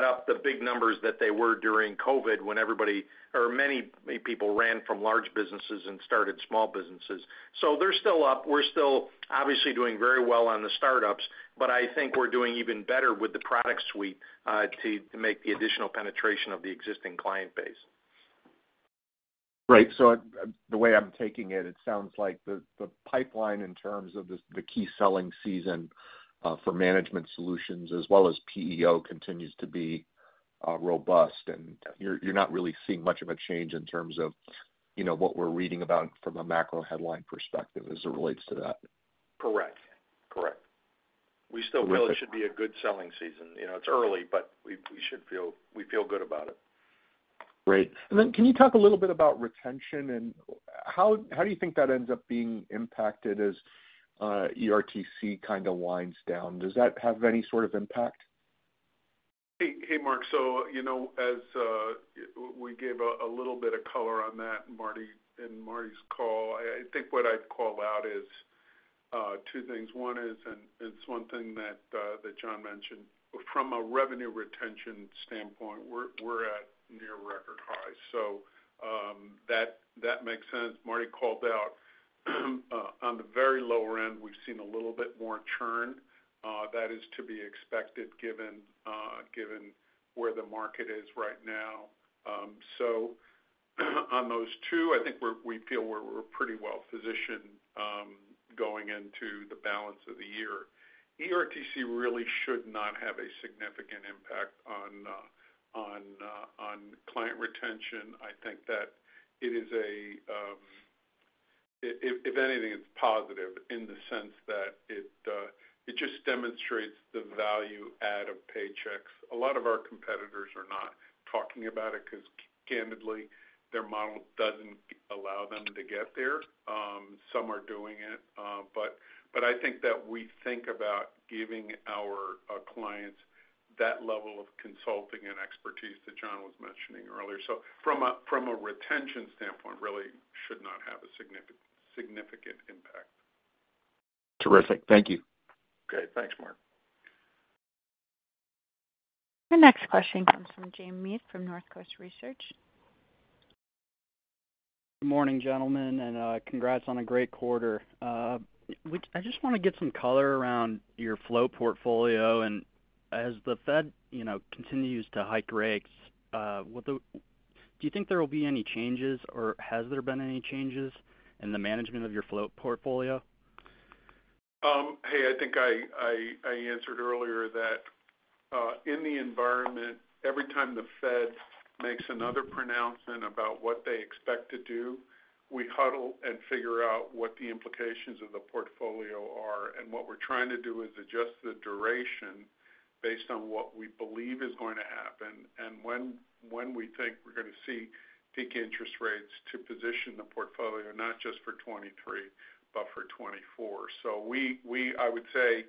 up to the big numbers that they were during COVID when everybody or many people ran from large businesses and started small businesses. They're still up. We're still obviously doing very well on the startups, but I think we're doing even better with the product suite to make the additional penetration of the existing client base. Right. The way I'm taking it sounds like the pipeline in terms of the key selling season for management solutions as well as PEO continues to be robust, and you're not really seeing much of a change in terms of, you know, what we're reading about from a macro headline perspective as it relates to that. Correct. We still feel it should be a good selling season. You know, it's early, but we should feel. We feel good about it. Great. Can you talk a little bit about retention and how do you think that ends up being impacted as ERTC kind of winds down? Does that have any sort of impact? Hey, Mark. You know, as we gave a little bit of color on that, Marty, in Marty's call. I think what I'd call out is two things. One is, it's one thing that John mentioned, from a revenue retention standpoint, we're at near record high. That makes sense. Marty called out on the very lower end, we've seen a little bit more churn. That is to be expected given where the market is right now. On those two, I think we feel we're pretty well-positioned going into the balance of the year. ERTC really should not have a significant impact on client retention. I think that it is a. If anything, it's positive in the sense that it just demonstrates the value add of Paychex. A lot of our competitors are not talking about it 'cause candidly, their model doesn't allow them to get there. Some are doing it. But I think that we think about giving our clients that level of consulting and expertise that John was mentioning earlier. From a retention standpoint, really should not have a significant impact. Terrific. Thank you. Okay. Thanks, Mark. The next question comes from Jamie Meath from Northcoast Research. Good morning, gentlemen, and congrats on a great quarter. I just wanna get some color around your float portfolio, and as the Fed, you know, continues to hike rates, do you think there will be any changes, or has there been any changes in the management of your float portfolio? Hey, I think I answered earlier that in the environment, every time the Fed makes another pronouncement about what they expect to do, we huddle and figure out what the implications of the portfolio are. What we're trying to do is adjust the duration based on what we believe is going to happen and when we think we're gonna see peak interest rates to position the portfolio not just for 2023, but for 2024. I would say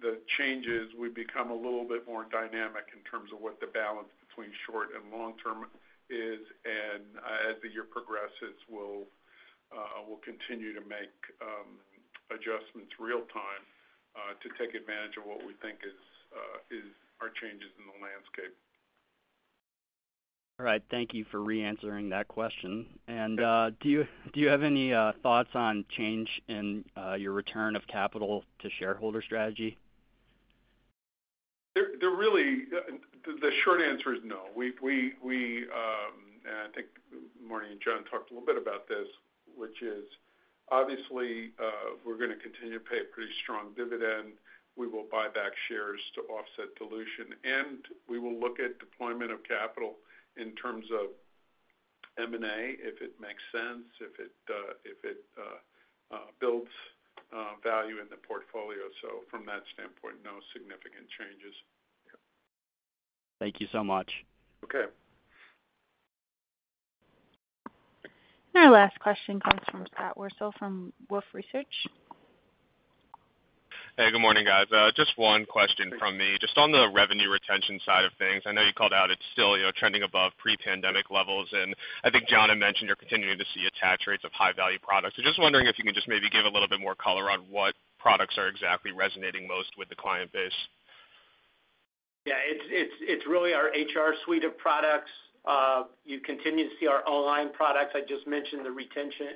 the changes would become a little bit more dynamic in terms of what the balance between short and long term is. As the year progresses, we'll continue to make adjustments real time to take advantage of what we think is our changes in the landscape. All right. Thank you for re-answering that question. Do you have any thoughts on change in your return of capital to shareholder strategy? The short answer is no. I think Marty and John talked a little bit about this, which is obviously, we're gonna continue to pay a pretty strong dividend. We will buy back shares to offset dilution, and we will look at deployment of capital in terms of M&A, if it makes sense, if it builds value in the portfolio. From that standpoint, no significant changes. Thank you so much. Okay. Our last question comes from Scott Wurtzel from Wolfe Research. Hey, good morning, guys. Just one question from me. Just on the revenue retention side of things, I know you called out it's still, you know, trending above pre-pandemic levels, and I think John had mentioned you're continuing to see attach rates of high-value products. So just wondering if you could just maybe give a little bit more color on what products are exactly resonating most with the client base. Yeah. It's really our HR suite of products. You continue to see our online products. I just mentioned the retention,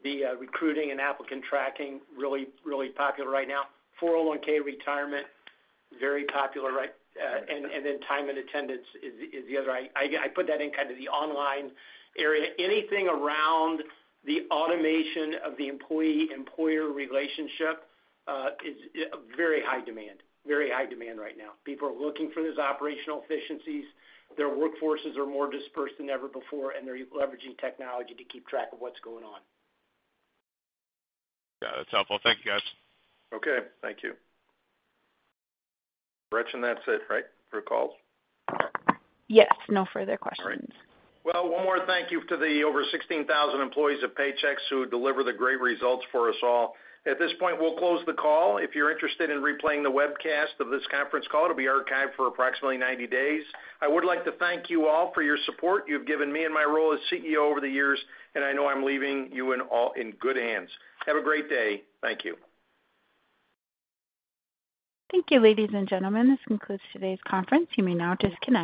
the recruiting and applicant tracking, really popular right now. 401(k) retirement, very popular. And then time and attendance is the other. I put that in kind of the online area. Anything around the automation of the employee-employer relationship is very high demand. Very high demand right now. People are looking for those operational efficiencies. Their workforces are more dispersed than ever before, and they're leveraging technology to keep track of what's going on. Yeah, that's helpful. Thank you, guys. Okay, thank you. Gretchen, that's it, right, for calls? Yes. No further questions. All right. Well, one more thank you to the over 16,000 employees of Paychex who deliver the great results for us all. At this point, we'll close the call. If you're interested in replaying the webcast of this conference call, it'll be archived for approximately 90 days. I would like to thank you all for your support you've given me in my role as CEO over the years, and I know I'm leaving you in all in good hands. Have a great day. Thank you. Thank you, ladies and gentlemen. This concludes today's conference. You may now disconnect.